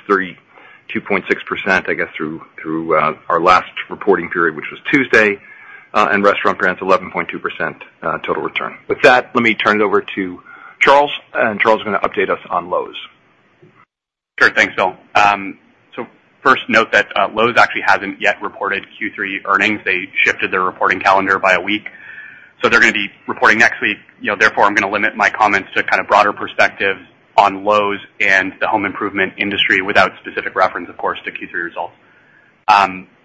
Speaker 1: 32.6%, I guess, through our last reporting period, which was Tuesday, and Restaurant Brands, 11.2% total return. With that, let me turn it over to Charles, and Charles is gonna update us on Lowe's.
Speaker 6: Sure. Thanks, Bill. So first note that Lowe's actually hasn't yet reported Q3 earnings. They shifted their reporting calendar by a week, so they're gonna be reporting next week. You know, therefore, I'm gonna limit my comments to kind of broader perspectives on Lowe's and the home improvement industry without specific reference, of course, to Q3 results.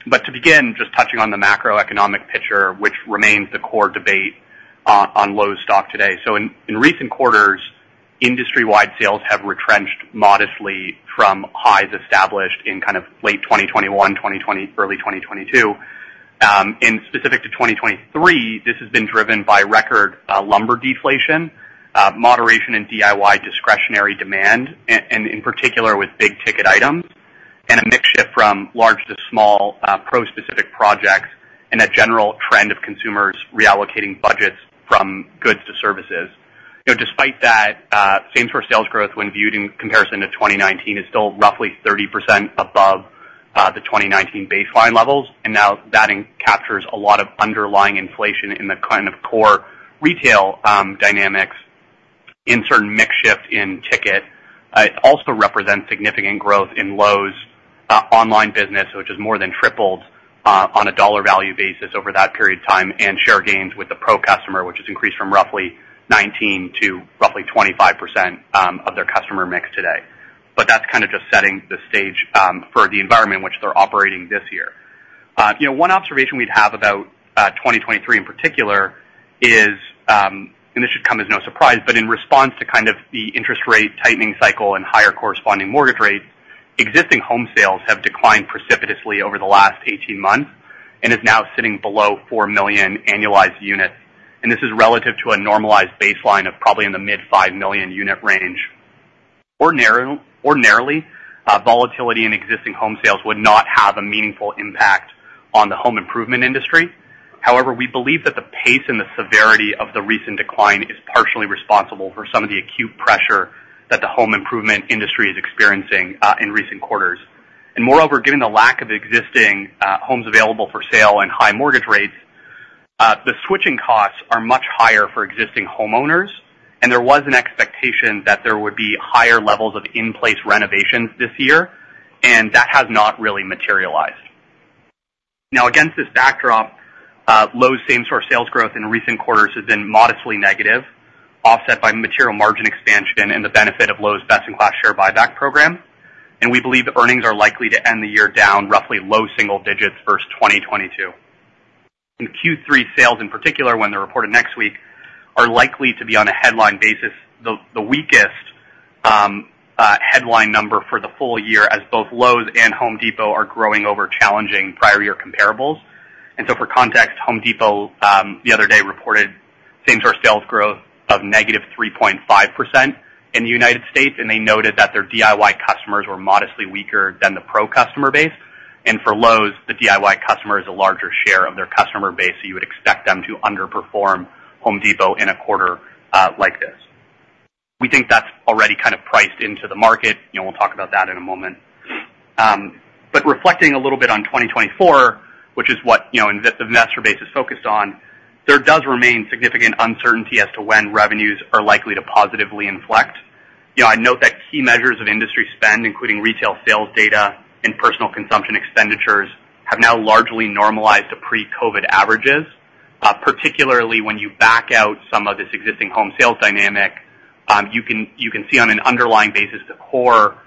Speaker 6: But to begin, just touching on the macroeconomic picture, which remains the core debate on Lowe's stock today. So in recent quarters, industry-wide sales have retrenched modestly from highs established in kind of late 2021, 2020, early 2022. And specific to 2023, this has been driven by record lumber deflation, moderation in DIY discretionary demand, and in particular with big-ticket items, and a mix shift from large to small pro-specific projects and a general trend of consumers reallocating budgets from goods to services. You know, despite that, same-store sales growth when viewed in comparison to 2019 is still roughly 30% above the 2019 baseline levels, and now that captures a lot of underlying inflation in the kind of core retail dynamics in certain mix shift in ticket. It also represents significant growth in Lowe's online business, which has more than tripled on a dollar value basis over that period of time, and share gains with the Pro customer, which has increased from roughly 19 to roughly 25% of their customer mix today. But that's kind of just setting the stage for the environment in which they're operating this year. You know, one observation we'd have about 2023 in particular is, and this should come as no surprise, but in response to kind of the interest rate tightening cycle and higher corresponding mortgage rates, existing home sales have declined precipitously over the last 18 months and is now sitting below 4 million annualized units. And this is relative to a normalized baseline of probably in the mid-5 million unit range. Ordinarily, volatility in existing home sales would not have a meaningful impact on the home improvement industry. However, we believe that the pace and the severity of the recent decline is partially responsible for some of the acute pressure that the home improvement industry is experiencing in recent quarters. Moreover, given the lack of existing homes available for sale and high mortgage rates, the switching costs are much higher for existing homeowners, and there was an expectation that there would be higher levels of in-place renovations this year, and that has not really materialized. Now, against this backdrop, Lowe's same-store sales growth in recent quarters has been modestly negative, offset by material margin expansion and the benefit of Lowe's best-in-class share buyback program. We believe earnings are likely to end the year down roughly low single digits versus 2022. In Q3, sales, in particular, when they're reported next week, are likely to be on a headline basis, the weakest headline number for the full year, as both Lowe's and Home Depot are growing over challenging prior year comparables. So for context, Home Depot the other day reported same-store sales growth of -3.5% in the United States, and they noted that their DIY customers were modestly weaker than the Pro customer base. And for Lowe's, the DIY customer is a larger share of their customer base, so you would expect them to underperform Home Depot in a quarter like this. We think that's already kind of priced into the market. You know, we'll talk about that in a moment. But reflecting a little bit on 2024, which is what, you know, investor base is focused on, there does remain significant uncertainty as to when revenues are likely to positively inflect. You know, I'd note that key measures of industry spend, including retail sales data and personal consumption expenditures, have now largely normalized to pre-COVID averages. Particularly when you back out some of this existing home sales dynamic, you can see on an underlying basis, the core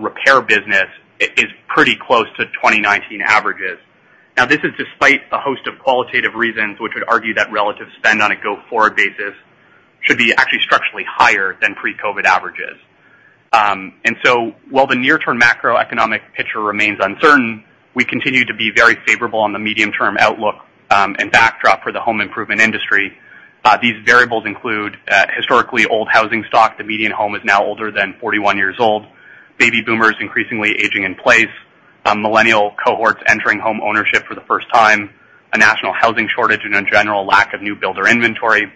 Speaker 6: repair business is pretty close to 2019 averages. Now, this is despite a host of qualitative reasons, which would argue that relative spend on a go-forward basis should be actually structurally higher than pre-COVID averages. and so, while the near-term macroeconomic picture remains uncertain, we continue to be very favorable on the medium-term outlook, and backdrop for the home improvement industry. These variables include, historically old housing stock. The median home is now older than 41 years old. Baby boomers increasingly aging in place, millennial cohorts entering homeownership for the first time, a national housing shortage and a general lack of new builder inventory,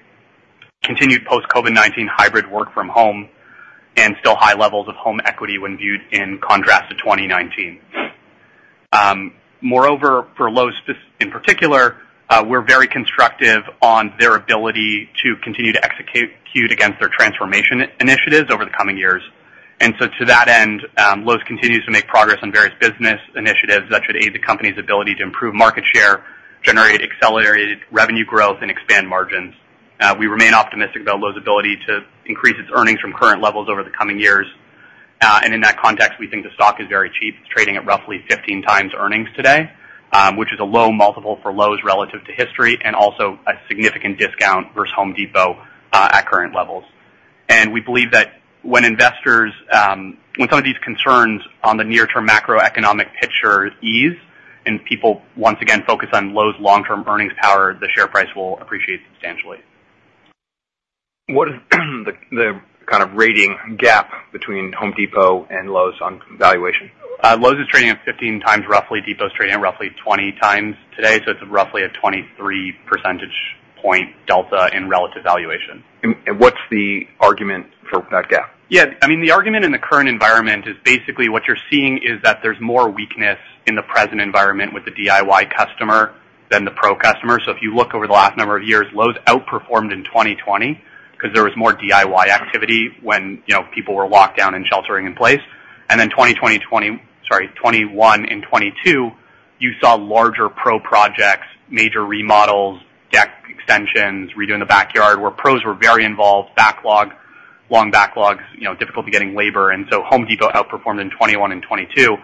Speaker 6: continued post-COVID-19 hybrid work from home, and still high levels of home equity when viewed in contrast to 2019. Moreover, for Lowe's in particular, we're very constructive on their ability to continue to execute against their transformation initiatives over the coming years. And so to that end, Lowe's continues to make progress on various business initiatives that should aid the company's ability to improve market share, generate accelerated revenue growth, and expand margins. We remain optimistic about Lowe's ability to increase its earnings from current levels over the coming years. And in that context, we think the stock is very cheap. It's trading at roughly 15x earnings today, which is a low multiple for Lowe's relative to history and also a significant discount versus Home Depot at current levels. We believe that when investors, when some of these concerns on the near-term macroeconomic picture ease and people once again focus on Lowe's long-term earnings power, the share price will appreciate substantially.
Speaker 1: What is the kind of rating gap between Home Depot and Lowe's on valuation?
Speaker 6: Lowe's is trading at 15x, roughly. Depot is trading at roughly 20x today, so it's roughly a 23 percentage point delta in relative valuation.
Speaker 1: And, what's the argument for that gap?
Speaker 6: Yeah, I mean, the argument in the current environment is basically what you're seeing is that there's more weakness in the present environment with the DIY customer than the Pro customer. So if you look over the last number of years, Lowe's outperformed in 2020 because there was more DIY activity when, you know, people were locked down and sheltering in place. And then 2020, 20-- sorry, 2021 and 2022, you saw larger Pro projects, major remodels, deck extensions, redoing the backyard, where pros were very involved. Backlog, long backlogs, you know, difficulty getting labor. And so Home Depot outperformed in 2021 and 2022,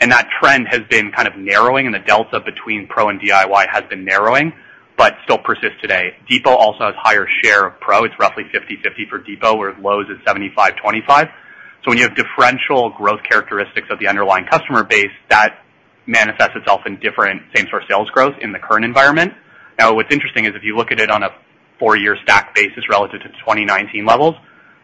Speaker 6: and that trend has been kind of narrowing, and the delta between Pro and DIY has been narrowing, but still persists today. Depot also has higher share of pro. It's roughly 50/50 for Depot, where Lowe's is 75/25. So when you have differential growth characteristics of the underlying customer base, that manifests itself in different same-store sales growth in the current environment. Now, what's interesting is if you look at it on a four-year stack basis relative to 2019 levels,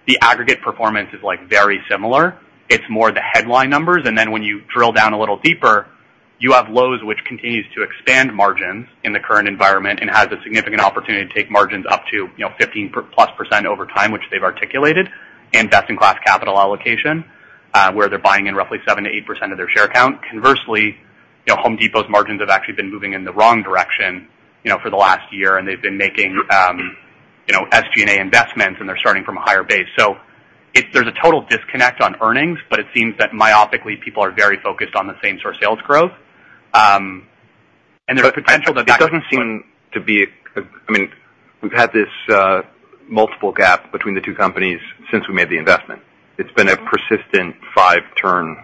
Speaker 6: the aggregate performance is, like, very similar. It's more the headline numbers, and then when you drill down a little deeper, you have Lowe's, which continues to expand margins in the current environment and has a significant opportunity to take margins up to, you know, 15%+ over time, which they've articulated, and best-in-class capital allocation, where they're buying in roughly 7%-8% of their share count. Conversely, you know, Home Depot's margins have actually been moving in the wrong direction, you know, for the last year, and they've been making, you know, SG&A investments, and they're starting from a higher base. So, there's a total disconnect on earnings, but it seems that myopically, people are very focused on the same-store sales growth. And there's potential that-
Speaker 1: It doesn't seem to be... I mean, we've had this multiple gap between the two companies since we made the investment. It's been a persistent 5-turn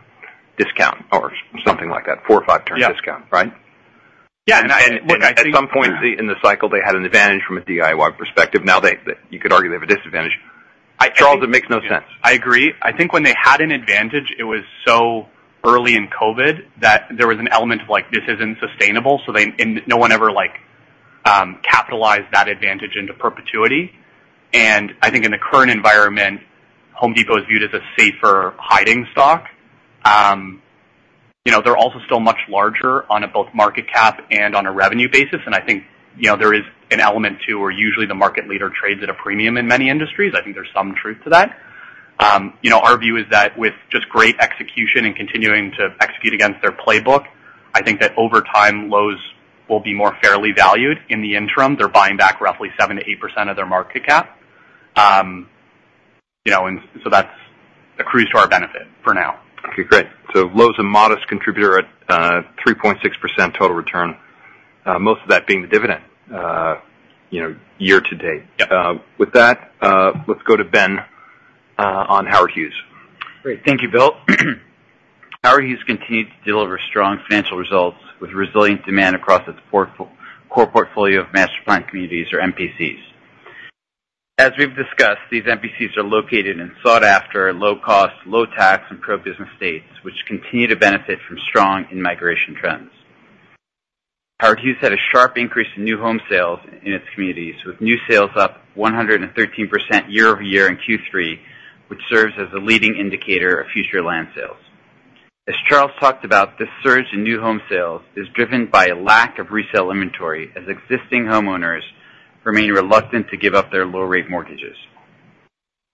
Speaker 1: discount or something like that, 4- or 5-turn discount, right?
Speaker 6: Yeah, and I-
Speaker 1: At some point in the cycle, they had an advantage from a DIY perspective. Now they, you could argue they have a disadvantage. Charles, it makes no sense.
Speaker 6: I agree. I think when they had an advantage, it was so early in COVID that there was an element of like, this isn't sustainable, so they and no one ever, like, capitalized that advantage into perpetuity. I think in the current environment, Home Depot is viewed as a safer hiding stock. You know, they're also still much larger on a both market cap and on a revenue basis, and I think, you know, there is an element, too, where usually the market leader trades at a premium in many industries. I think there's some truth to that.... You know, our view is that with just great execution and continuing to execute against their playbook, I think that over time, Lowe's will be more fairly valued. In the interim, they're buying back roughly 7%-8% of their market cap. You know, and so that's accrues to our benefit for now.
Speaker 1: Okay, great. So Lowe's, a modest contributor at 3.6% total return, most of that being the dividend, you know, year to date.
Speaker 6: Yep.
Speaker 1: With that, let's go to Ben on Howard Hughes.
Speaker 7: Great. Thank you, Bill. Howard Hughes continues to deliver strong financial results with resilient demand across its portfolio of master-planned communities or MPCs. As we've discussed, these MPCs are located and sought after in low-cost, low-tax, and pro-business states, which continue to benefit from strong in-migration trends. Howard Hughes had a sharp increase in new home sales in its communities, with new sales up 113% year-over-year in Q3, which serves as a leading indicator of future land sales. As Charles talked about, this surge in new home sales is driven by a lack of resale inventory, as existing homeowners remain reluctant to give up their low-rate mortgages.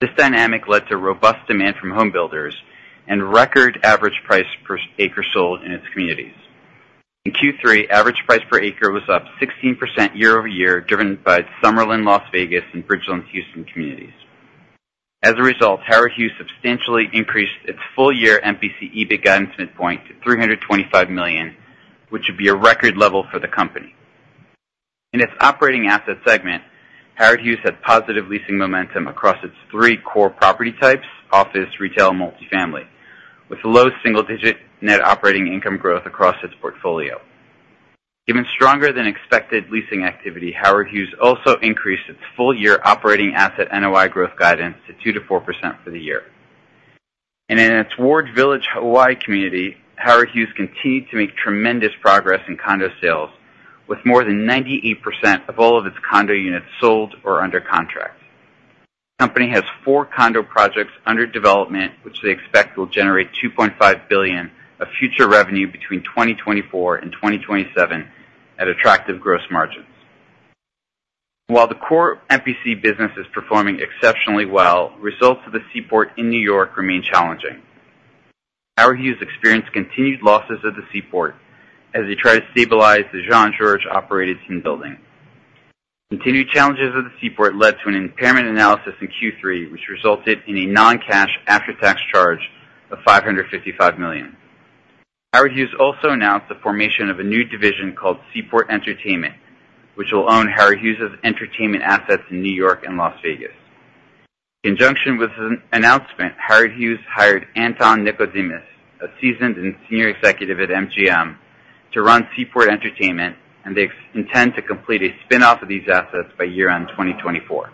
Speaker 7: This dynamic led to robust demand from homebuilders and record average price per acre sold in its communities. In Q3, average price per acre was up 16% year-over-year, driven by Summerlin, Las Vegas, and Bridgeland Houston communities. As a result, Howard Hughes substantially increased its full-year MPC EBIT guidance midpoint to $325 million, which would be a record level for the company. In its operating asset segment, Howard Hughes had positive leasing momentum across its three core property types: office, retail, and multifamily, with low single-digit net operating income growth across its portfolio. Given stronger than expected leasing activity, Howard Hughes also increased its full-year operating asset NOI growth guidance to 2%-4% for the year. And in its Ward Village Hawaii community, Howard Hughes continued to make tremendous progress in condo sales, with more than 98% of all of its condo units sold or under contract. company has four condo projects under development, which they expect will generate $2.5 billion of future revenue between 2024 and 2027 at attractive gross margins. While the core MPC business is performing exceptionally well, results of the Seaport in New York remain challenging. Howard Hughes experienced continued losses at the Seaport as they try to stabilize the Jean-Georges operated Tin Building. Continued challenges of the Seaport led to an impairment analysis in Q3, which resulted in a non-cash after-tax charge of $555 million. Howard Hughes also announced the formation of a new division called Seaport Entertainment, which will own Howard Hughes's entertainment assets in New York and Las Vegas. In conjunction with an announcement, Howard Hughes hired Anton Nikodemus, a seasoned and senior executive at MGM, to run Seaport Entertainment, and they intend to complete a spin-off of these assets by year-end 2024.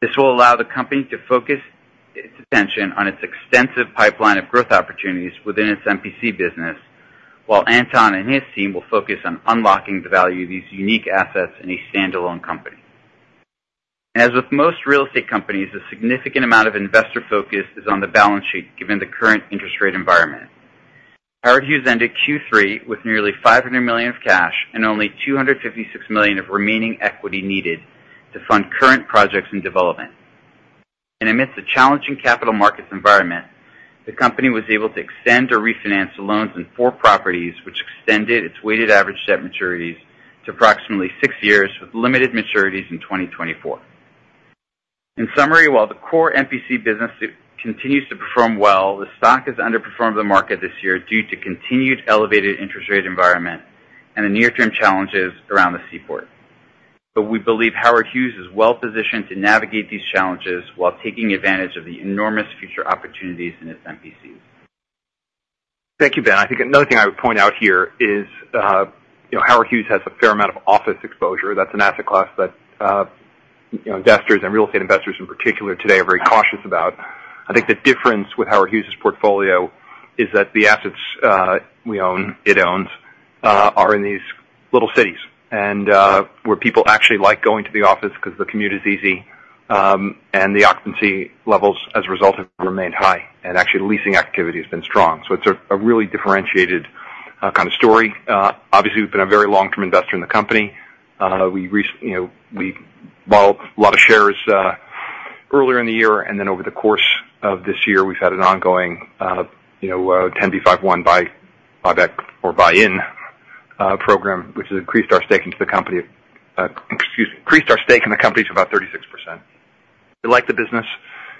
Speaker 7: This will allow the company to focus its attention on its extensive pipeline of growth opportunities within its MPC business, while Anton and his team will focus on unlocking the value of these unique assets in a standalone company. As with most real estate companies, a significant amount of investor focus is on the balance sheet, given the current interest rate environment. Howard Hughes ended Q3 with nearly $500 million of cash and only $256 million of remaining equity needed to fund current projects in development. Amidst the challenging capital markets environment, the company was able to extend or refinance loans in four properties, which extended its weighted average debt maturities to approximately six years, with limited maturities in 2024. In summary, while the core MPC business continues to perform well, the stock has underperformed the market this year due to continued elevated interest rate environment and the near-term challenges around the Seaport. But we believe Howard Hughes is well positioned to navigate these challenges while taking advantage of the enormous future opportunities in its MPCs.
Speaker 1: Thank you, Ben. I think another thing I would point out here is, you know, Howard Hughes has a fair amount of office exposure. That's an asset class that, you know, investors and real estate investors in particular today are very cautious about. I think the difference with Howard Hughes's portfolio is that the assets, we own—it owns, are in these little cities, and, where people actually like going to the office because the commute is easy, and the occupancy levels as a result, have remained high, and actually, leasing activity has been strong. So it's a really differentiated, kind of story. Obviously, we've been a very long-term investor in the company. We rec... You know, we bought a lot of shares earlier in the year, and then over the course of this year, we've had an ongoing, you know, 10b5-1 buyback or buy-in program, which has increased our stake into the company, excuse me, increased our stake in the company to about 36%. We like the business.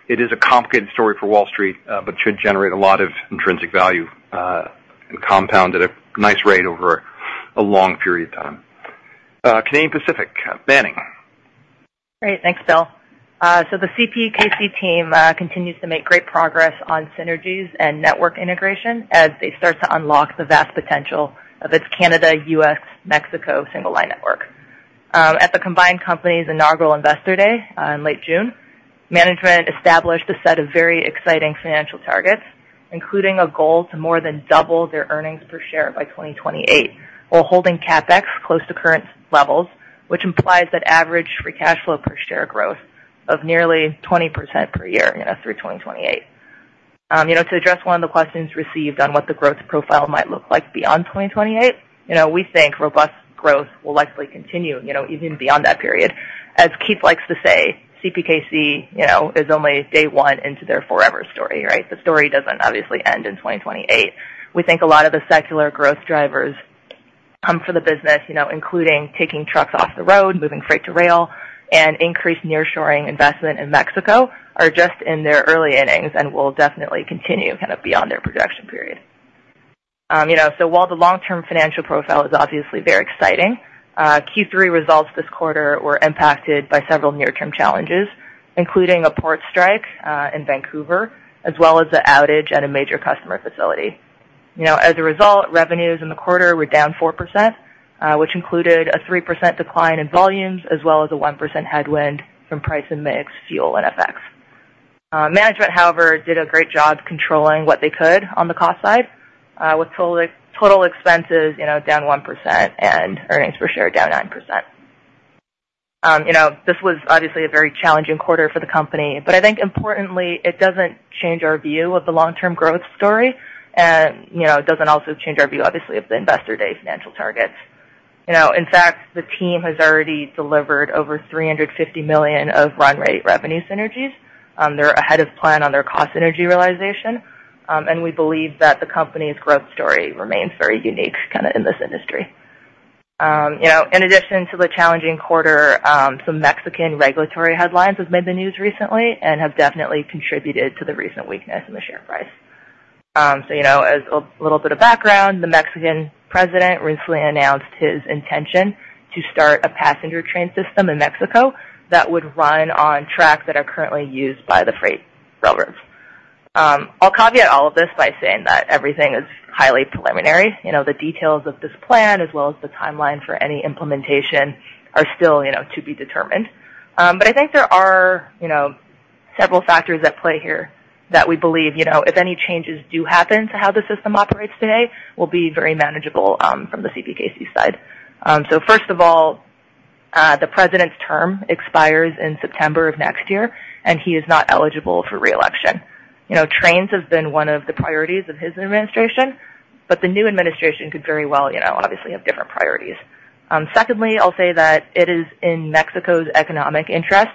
Speaker 1: It is a complicated story for Wall Street, but should generate a lot of intrinsic value, and compound at a nice rate over a long period of time. Canadian Pacific, Manning.
Speaker 8: Great. Thanks, Bill. So the CPKC team continues to make great progress on synergies and network integration as they start to unlock the vast potential of its Canada-US-Mexico single line network. At the combined company's inaugural Investor Day in late June, management established a set of very exciting financial targets, including a goal to more than double their earnings per share by 2028, while holding CapEx close to current levels, which implies that average free cash flow per share growth of nearly 20% per year, you know, through 2028. You know, to address one of the questions received on what the growth profile might look like beyond 2028, you know, we think robust growth will likely continue, you know, even beyond that period. As Keith likes to say, CPKC, you know, is only day one into their forever story, right? The story doesn't obviously end in 2028. We think a lot of the secular growth drivers, for the business, you know, including taking trucks off the road, moving freight to rail, and increased nearshoring investment in Mexico, are just in their early innings and will definitely continue kind of beyond their projection period. You know, so while the long-term financial profile is obviously very exciting, Q3 results this quarter were impacted by several near-term challenges, including a port strike, in Vancouver, as well as the outage at a major customer facility. You know, as a result, revenues in the quarter were down 4%, which included a 3% decline in volumes, as well as a 1% headwind from price and mix, fuel and FX. Management, however, did a great job controlling what they could on the cost side, with total expenses, you know, down 1% and earnings per share down 9%. You know, this was obviously a very challenging quarter for the company, but I think importantly, it doesn't change our view of the long-term growth story. You know, it doesn't also change our view, obviously, of the Investor Day financial targets. You know, in fact, the team has already delivered over $350 million of run rate revenue synergies. They're ahead of plan on their cost synergy realization, and we believe that the company's growth story remains very unique kind of in this industry. You know, in addition to the challenging quarter, some Mexican regulatory headlines have made the news recently and have definitely contributed to the recent weakness in the share price. So, you know, as a little bit of background, the Mexican president recently announced his intention to start a passenger train system in Mexico that would run on tracks that are currently used by the freight railroads. I'll caveat all of this by saying that everything is highly preliminary. You know, the details of this plan, as well as the timeline for any implementation, are still, you know, to be determined. But I think there are, you know, several factors at play here that we believe, you know, if any changes do happen to how the system operates today, will be very manageable, from the CPKC side. So first of all, the president's term expires in September of next year, and he is not eligible for re-election. You know, trains have been one of the priorities of his administration, but the new administration could very well, you know, obviously, have different priorities. Secondly, I'll say that it is in Mexico's economic interest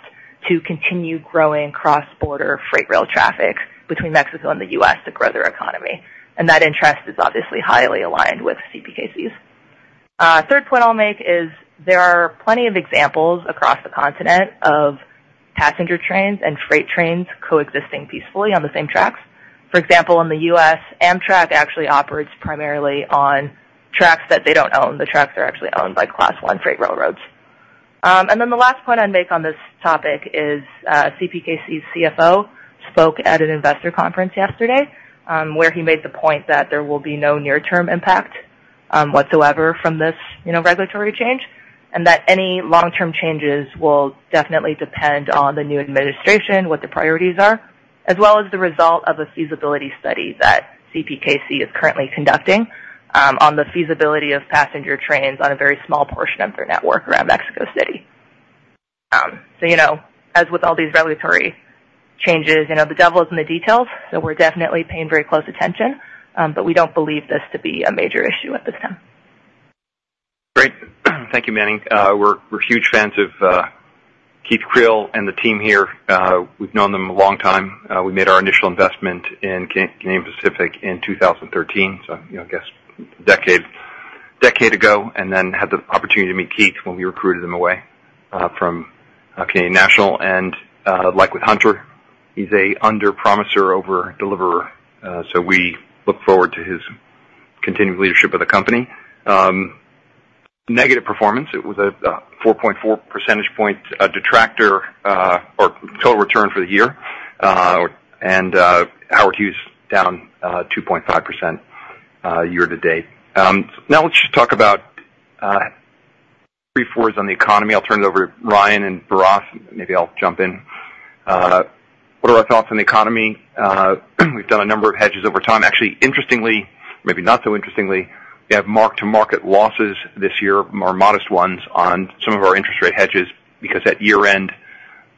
Speaker 8: to continue growing cross-border freight rail traffic between Mexico and the U.S. to grow their economy, and that interest is obviously highly aligned with CPKC's. Third point I'll make is there are plenty of examples across the continent of passenger trains and freight trains coexisting peacefully on the same tracks. For example, in the U.S., Amtrak actually operates primarily on tracks that they don't own. The tracks are actually owned by Class I freight railroads. And then the last point I'd make on this topic is, CPKC's CFO spoke at an investor conference yesterday, where he made the point that there will be no near-term impact, whatsoever from this, you know, regulatory change, and that any long-term changes will definitely depend on the new administration, what the priorities are, as well as the result of a feasibility study that CPKC is currently conducting, on the feasibility of passenger trains on a very small portion of their network around Mexico City. So, you know, as with all these regulatory changes, you know, the devil is in the details, so we're definitely paying very close attention, but we don't believe this to be a major issue at this time.
Speaker 1: Great. Thank you, Manning. We're huge fans of Keith Creel and the team here. We've known them a long time. We made our initial investment in Canadian Pacific in 2013, so, you know, I guess, decade ago, and then had the opportunity to meet Keith when we recruited him away from Canadian National. And, like with Hunter, he's a under-promiser, over-deliverer, so we look forward to his continued leadership of the company. Negative performance, it was a 4.4 percentage point detractor or total return for the year, and Howard Hughes down 2.5% year to date. Now let's just talk about 3Qs on the economy. I'll turn it over to Ryan and Bharath. Maybe I'll jump in. What are our thoughts on the economy? We've done a number of hedges over time. Actually, interestingly, maybe not so interestingly, we have mark-to-market losses this year, more modest ones, on some of our interest rate hedges, because at year-end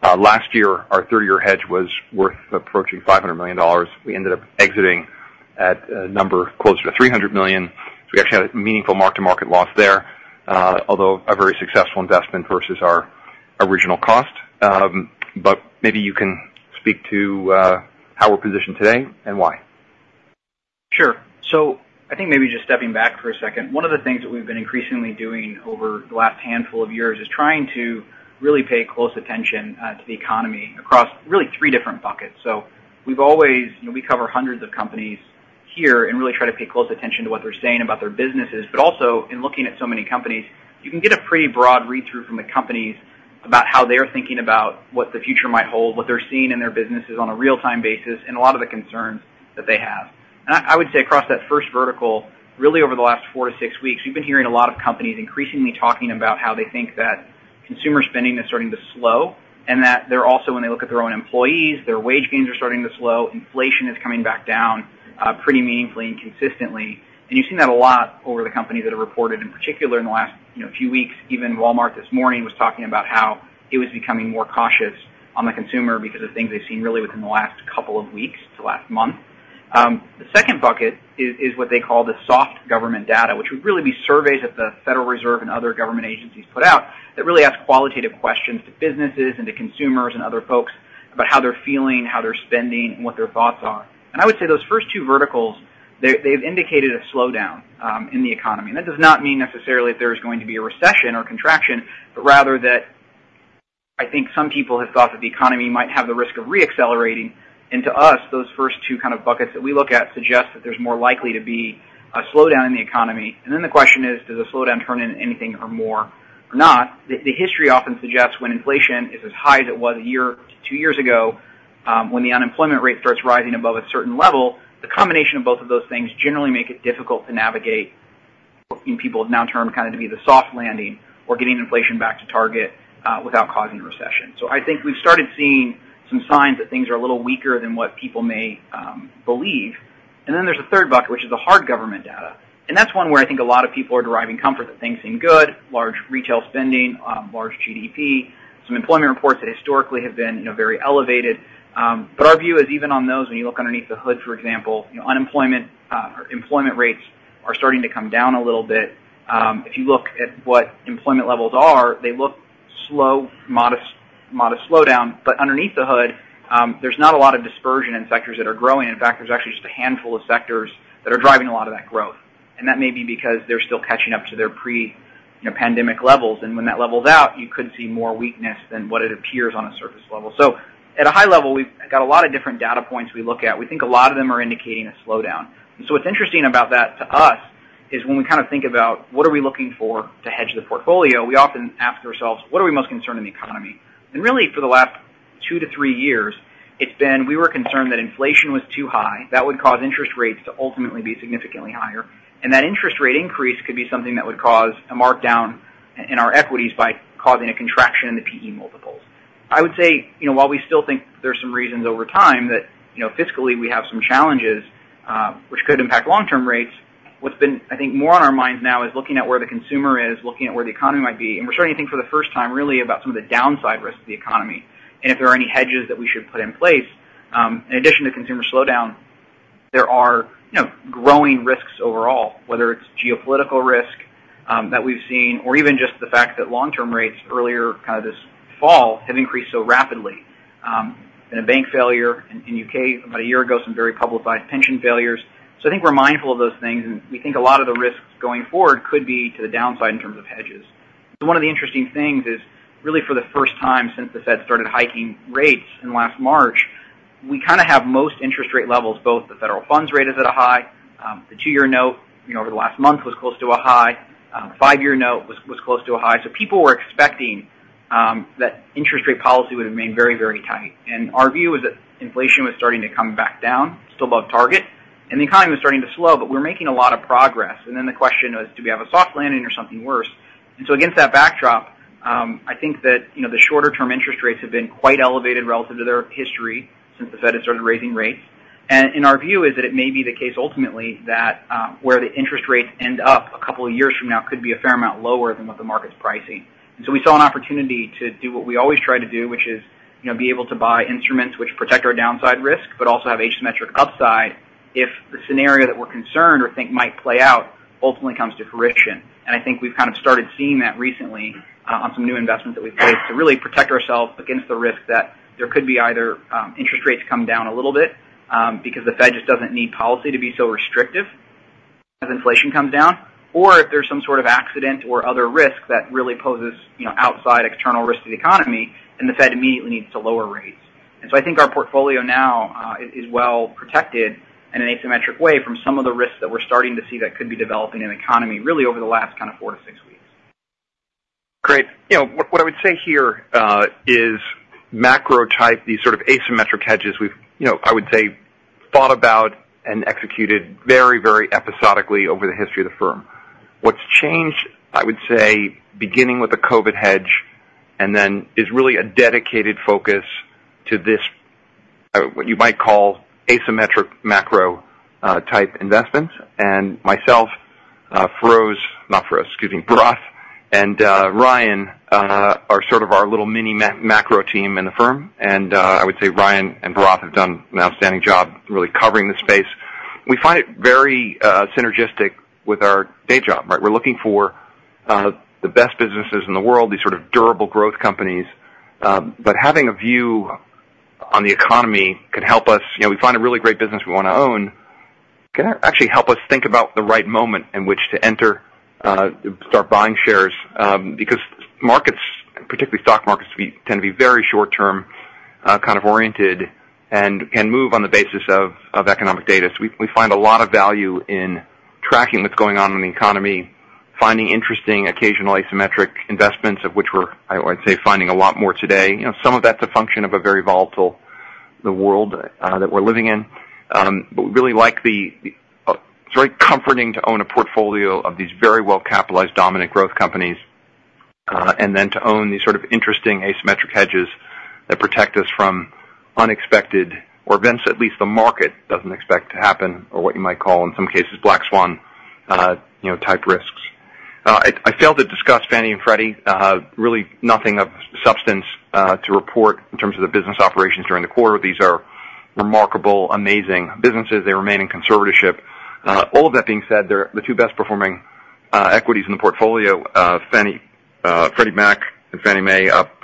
Speaker 1: last year, our third-year hedge was worth approaching $500 million. We ended up exiting at a number closer to $300 million. So we actually had a meaningful mark-to-market loss there, although a very successful investment versus our original cost. But maybe you can speak to how we're positioned today and why.
Speaker 2: Sure. So I think maybe just stepping back for a second, one of the things that we've been increasingly doing over the last handful of years is trying to really pay close attention to the economy across really three different buckets. So we've always... You know, we cover hundreds of companies here and really try to pay close attention to what they're saying about their businesses. But also, in looking at so many companies, you can get a pretty broad read-through from the companies about how they're thinking about what the future might hold, what they're seeing in their businesses on a real-time basis, and a lot of the concerns that they have. I would say across that first vertical, really over the last 4-6 weeks, we've been hearing a lot of companies increasingly talking about how they think that consumer spending is starting to slow, and that they're also, when they look at their own employees, their wage gains are starting to slow, inflation is coming back down, pretty meaningfully and consistently. You've seen that a lot over the companies that have reported, in particular, in the last, you know, few weeks. Even Walmart this morning was talking about how it was becoming more cautious on the consumer because of things they've seen really within the last couple of weeks to last month.... The second bucket is what they call the soft government data, which would really be surveys that the Federal Reserve and other government agencies put out, that really ask qualitative questions to businesses and to consumers and other folks about how they're feeling, how they're spending, and what their thoughts are. And I would say those first two verticals, they, they've indicated a slowdown in the economy. And that does not mean necessarily that there's going to be a recession or contraction, but rather that I think some people have thought that the economy might have the risk of re-accelerating. And to us, those first two kind of buckets that we look at suggest that there's more likely to be a slowdown in the economy. And then the question is: Does a slowdown turn into anything or more or not? The history often suggests when inflation is as high as it was 1-2 years ago, when the unemployment rate starts rising above a certain level, the combination of both of those things generally make it difficult to navigate what people have now termed kind of to be the soft landing or getting inflation back to target without causing a recession. So I think we've started seeing some signs that things are a little weaker than what people may believe. And then there's a third bucket, which is the hard government data, and that's one where I think a lot of people are deriving comfort that things seem good: large retail spending, large GDP, some employment reports that historically have been, you know, very elevated. But our view is even on those, when you look underneath the hood, for example, you know, unemployment, employment rates are starting to come down a little bit. If you look at what employment levels are, they look slow, modest, modest slowdown. But underneath the hood, there's not a lot of dispersion in sectors that are growing. In fact, there's actually just a handful of sectors that are driving a lot of that growth. And that may be because they're still catching up to their pre, you know, pandemic levels. And when that levels out, you could see more weakness than what it appears on a surface level. So at a high level, we've got a lot of different data points we look at. We think a lot of them are indicating a slowdown. And so what's interesting about that to us is when we kind of think about what are we looking for to hedge the portfolio, we often ask ourselves: What are we most concerned in the economy? And really, for the last two to three years, it's been we were concerned that inflation was too high, that would cause interest rates to ultimately be significantly higher, and that interest rate increase could be something that would cause a markdown in our equities by causing a contraction in the PE multiples. I would say, you know, while we still think there are some reasons over time that, you know, fiscally, we have some challenges, which could impact long-term rates. What's been, I think, more on our minds now is looking at where the consumer is, looking at where the economy might be, and we're starting to think for the first time, really, about some of the downside risks to the economy and if there are any hedges that we should put in place. In addition to consumer slowdown, there are, you know, growing risks overall, whether it's geopolitical risk, that we've seen, or even just the fact that long-term rates earlier, kind of this fall, have increased so rapidly, and a bank failure in the U.K. about a year ago, some very publicized pension failures. So I think we're mindful of those things, and we think a lot of the risks going forward could be to the downside in terms of hedges. So one of the interesting things is, really for the first time since the Fed started hiking rates in last March, we kind of have most interest rate levels, both the federal funds rate is at a high, the 2-year note, you know, over the last month was close to a high, 5-year note was close to a high. So people were expecting that interest rate policy would remain very, very tight. And our view is that inflation was starting to come back down, still above target, and the economy was starting to slow, but we're making a lot of progress. And then the question is: Do we have a soft landing or something worse? And so against that backdrop, I think that, you know, the shorter term interest rates have been quite elevated relative to their history since the Fed had started raising rates. Our view is that it may be the case, ultimately, that where the interest rates end up a couple of years from now could be a fair amount lower than what the market's pricing. And so we saw an opportunity to do what we always try to do, which is, you know, be able to buy instruments which protect our downside risk, but also have asymmetric upside if the scenario that we're concerned or think might play out ultimately comes to fruition. I think we've kind of started seeing that recently, on some new investments that we've made to really protect ourselves against the risk that there could be either, interest rates come down a little bit, because the Fed just doesn't need policy to be so restrictive as inflation comes down, or if there's some sort of accident or other risk that really poses, you know, outside external risk to the economy and the Fed immediately needs to lower rates. So I think our portfolio now is well protected in an asymmetric way from some of the risks that we're starting to see that could be developing in the economy, really over the last kind of four to six weeks.
Speaker 1: Great. You know, what I would say here is macro type, these sort of asymmetric hedges we've, you know, I would say, thought about and executed very, very episodically over the history of the firm. What's changed, I would say, beginning with the COVID hedge and then is really a dedicated focus to this, what you might call asymmetric macro type investments. And myself, Feroz, not Feroz, excuse me, Bharath and Ryan are sort of our little mini macro team in the firm. And I would say Ryan and Bharath have done an outstanding job really covering the space. We find it very synergistic with our day job, right? We're looking for the best businesses in the world, these sort of durable growth companies. But having a view on the economy can help us. You know, we find a really great business we wanna own, can actually help us think about the right moment in which to enter, start buying shares, because markets, particularly stock markets, tend to be very short term, kind of oriented and, and move on the basis of, of economic data. So we find a lot of value in tracking what's going on in the economy, finding interesting, occasional asymmetric investments, of which we're, I would say, finding a lot more today. You know, some of that's a function of a very volatile world that we're living in. But we really like the. It's very comforting to own a portfolio of these very well-capitalized, dominant growth companies, and then to own these sort of interesting asymmetric hedges that protect us from unexpected events, at least the market doesn't expect to happen, or what you might call, in some cases, black swan, you know, type risks. I failed to discuss Fannie and Freddie. Really nothing of substance to report in terms of the business operations during the quarter. These are remarkable, amazing businesses. They remain in conservatorship. All of that being said, they're the two best performing equities in the portfolio. Fannie, Freddie Mac and Fannie Mae, up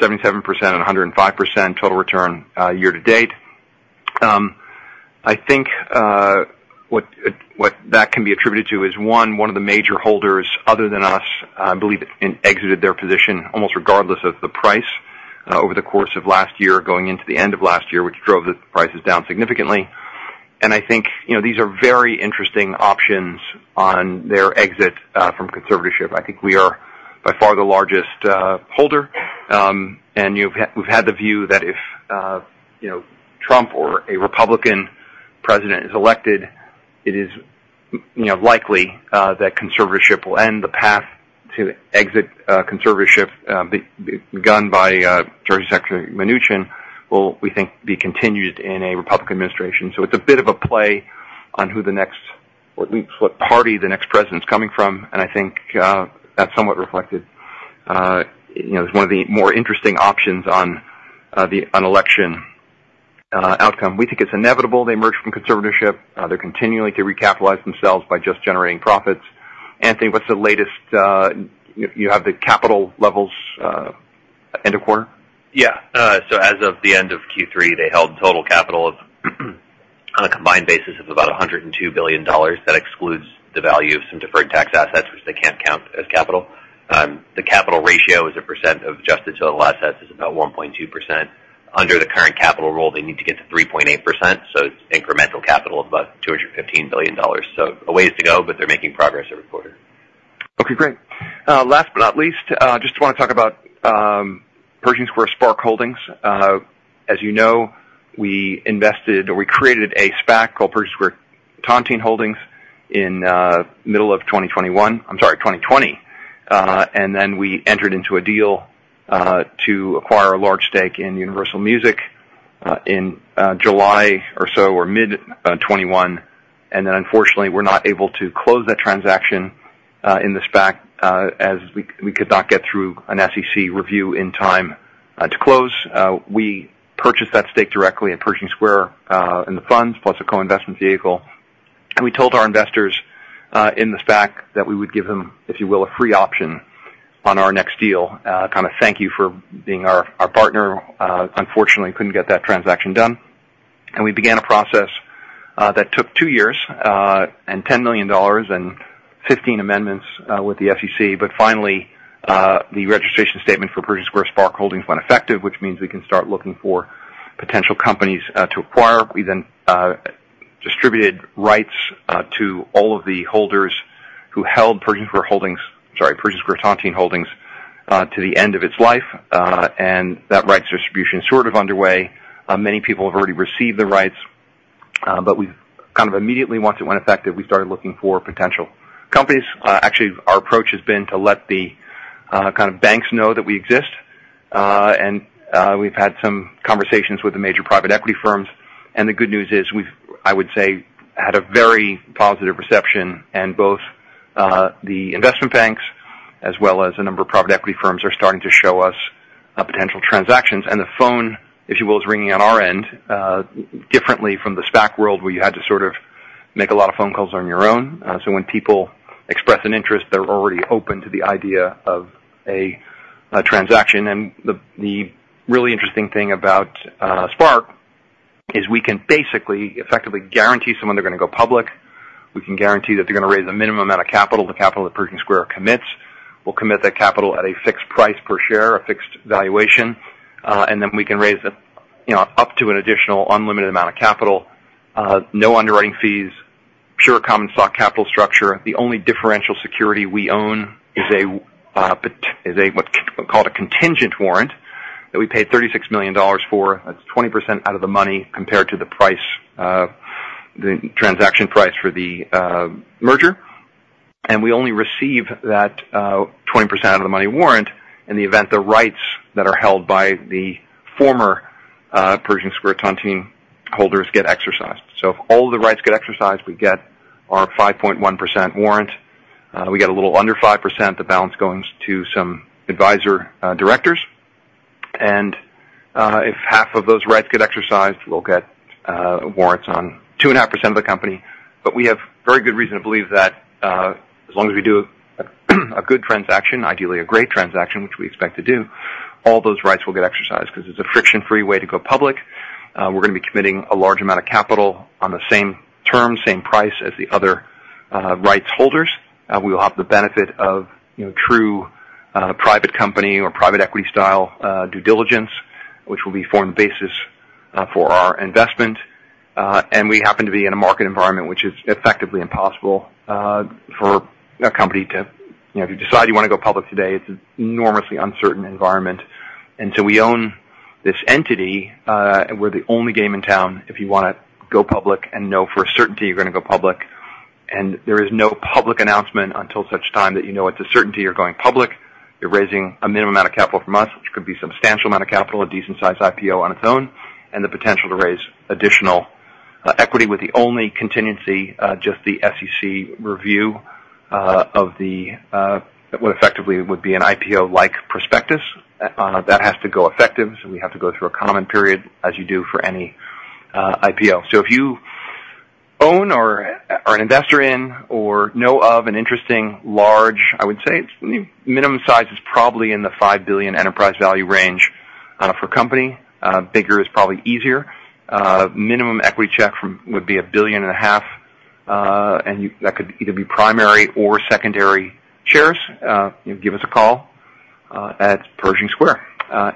Speaker 1: 77% and 105% total return year to date. I think what that can be attributed to is one of the major holders other than us, I believe, exited their position almost regardless of the price over the course of last year, going into the end of last year, which drove the prices down significantly. And I think, you know, these are very interesting options on their exit from conservatorship. I think we are by far the largest holder. And we've had the view that if, you know, Trump or a Republican president is elected, it is, you know, likely that conservatorship will end, the path to exit conservatorship begun by Treasury Secretary Mnuchin, will, we think, be continued in a Republican administration. So it's a bit of a play on who the next... or at least what party the next president is coming from. And I think that's somewhat reflected, you know, as one of the more interesting options on the election outcome. We think it's inevitable they emerge from conservatorship. They're continuing to recapitalize themselves by just generating profits. Anthony, what's the latest? You have the capital levels end of quarter?
Speaker 3: Yeah. So as of the end of Q3, they held total capital of, on a combined basis, about $102 billion. That excludes the value of some deferred tax assets, which they can't count as capital. The capital ratio as a percent of adjusted total assets is about 1.2%. Under the current capital rule, they need to get to 3.8%, so it's incremental capital of about $215 billion. So a ways to go, but they're making progress every quarter.
Speaker 1: Okay, great. Last but not least, just wanna talk about Pershing Square SPARC Holdings. As you know, we invested or we created a SPAC called Pershing Square Tontine Holdings in the middle of 2021. I'm sorry, 2020. And then we entered into a deal to acquire a large stake in Universal Music in July or so, or mid-2021. And then unfortunately, we were not able to close that transaction in the SPAC as we could not get through an SEC review in time to close. We purchased that stake directly at Pershing Square in the funds, plus a co-investment vehicle. And we told our investors in the SPAC that we would give them, if you will, a free option on our next deal. Kind of thank you for being our partner. Unfortunately, couldn't get that transaction done. We began a process that took two years and $10 million and 15 amendments with the SEC. But finally, the registration statement for Pershing Square SPARC Holdings went effective, which means we can start looking for potential companies to acquire. We then distributed rights to all of the holders who held Pershing Square Holdings, sorry, Pershing Square Tontine Holdings, to the end of its life. And that rights distribution is sort of underway. Many people have already received the rights, but we've kind of immediately, once it went effective, we started looking for potential companies. Actually, our approach has been to let the kind of banks know that we exist. We've had some conversations with the major private equity firms. The good news is, we've, I would say, had a very positive reception and both, the investment banks as well as a number of private equity firms, are starting to show us, potential transactions. The phone, if you will, is ringing on our end, differently from the SPAC world, where you had to sort of make a lot of phone calls on your own. When people express an interest, they're already open to the idea of a, transaction. The really interesting thing about, SPARC is we can basically effectively guarantee someone they're gonna go public. We can guarantee that they're gonna raise a minimum amount of capital, the capital that Pershing Square commits. We'll commit that capital at a fixed price per share, a fixed valuation, and then we can raise the, you know, up to an additional unlimited amount of capital. No underwriting fees, pure common stock capital structure. The only differential security we own is a, what's called a contingent warrant, that we paid $36 million for. That's 20% out of the money compared to the price, the transaction price for the merger. And we only receive that 20% out of the money warrant in the event the rights that are held by the former Pershing Square Tontine holders get exercised. So if all the rights get exercised, we get our 5.1% warrant. We get a little under 5%, the balance goes to some advisor, directors. If half of those rights get exercised, we'll get warrants on 2.5% of the company. But we have very good reason to believe that, as long as we do a good transaction, ideally a great transaction, which we expect to do, all those rights will get exercised because it's a friction-free way to go public. We're gonna be committing a large amount of capital on the same terms, same price as the other rights holders. We will have the benefit of, you know, true private company or private equity style due diligence, which will be a foreign basis for our investment. And we happen to be in a market environment which is effectively impossible for a company to, you know, if you decide you want to go public today, it's an enormously uncertain environment. And so we own this entity, and we're the only game in town if you wanna go public and know for a certainty you're gonna go public. And there is no public announcement until such time that you know it's a certainty you're going public. You're raising a minimum amount of capital from us, which could be a substantial amount of capital, a decent sized IPO on its own, and the potential to raise additional equity with the only contingency just the SEC review of the what effectively would be an IPO-like prospectus. That has to go effective, so we have to go through a comment period, as you do for any IPO. So if you own or an investor in or know of an interesting large, I would say it's minimum size is probably in the $5 billion enterprise value range for company, bigger is probably easier. Minimum equity check from would be $1.5 billion, and you that could either be primary or secondary shares. You give us a call at Pershing Square.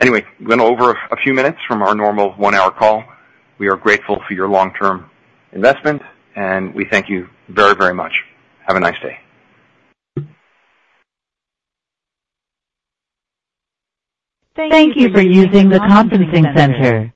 Speaker 1: Anyway, went over a few minutes from our normal one-hour call. We are grateful for your long-term investment, and we thank you very, very much. Have a nice day.
Speaker 9: Thank you for using the conferencing center.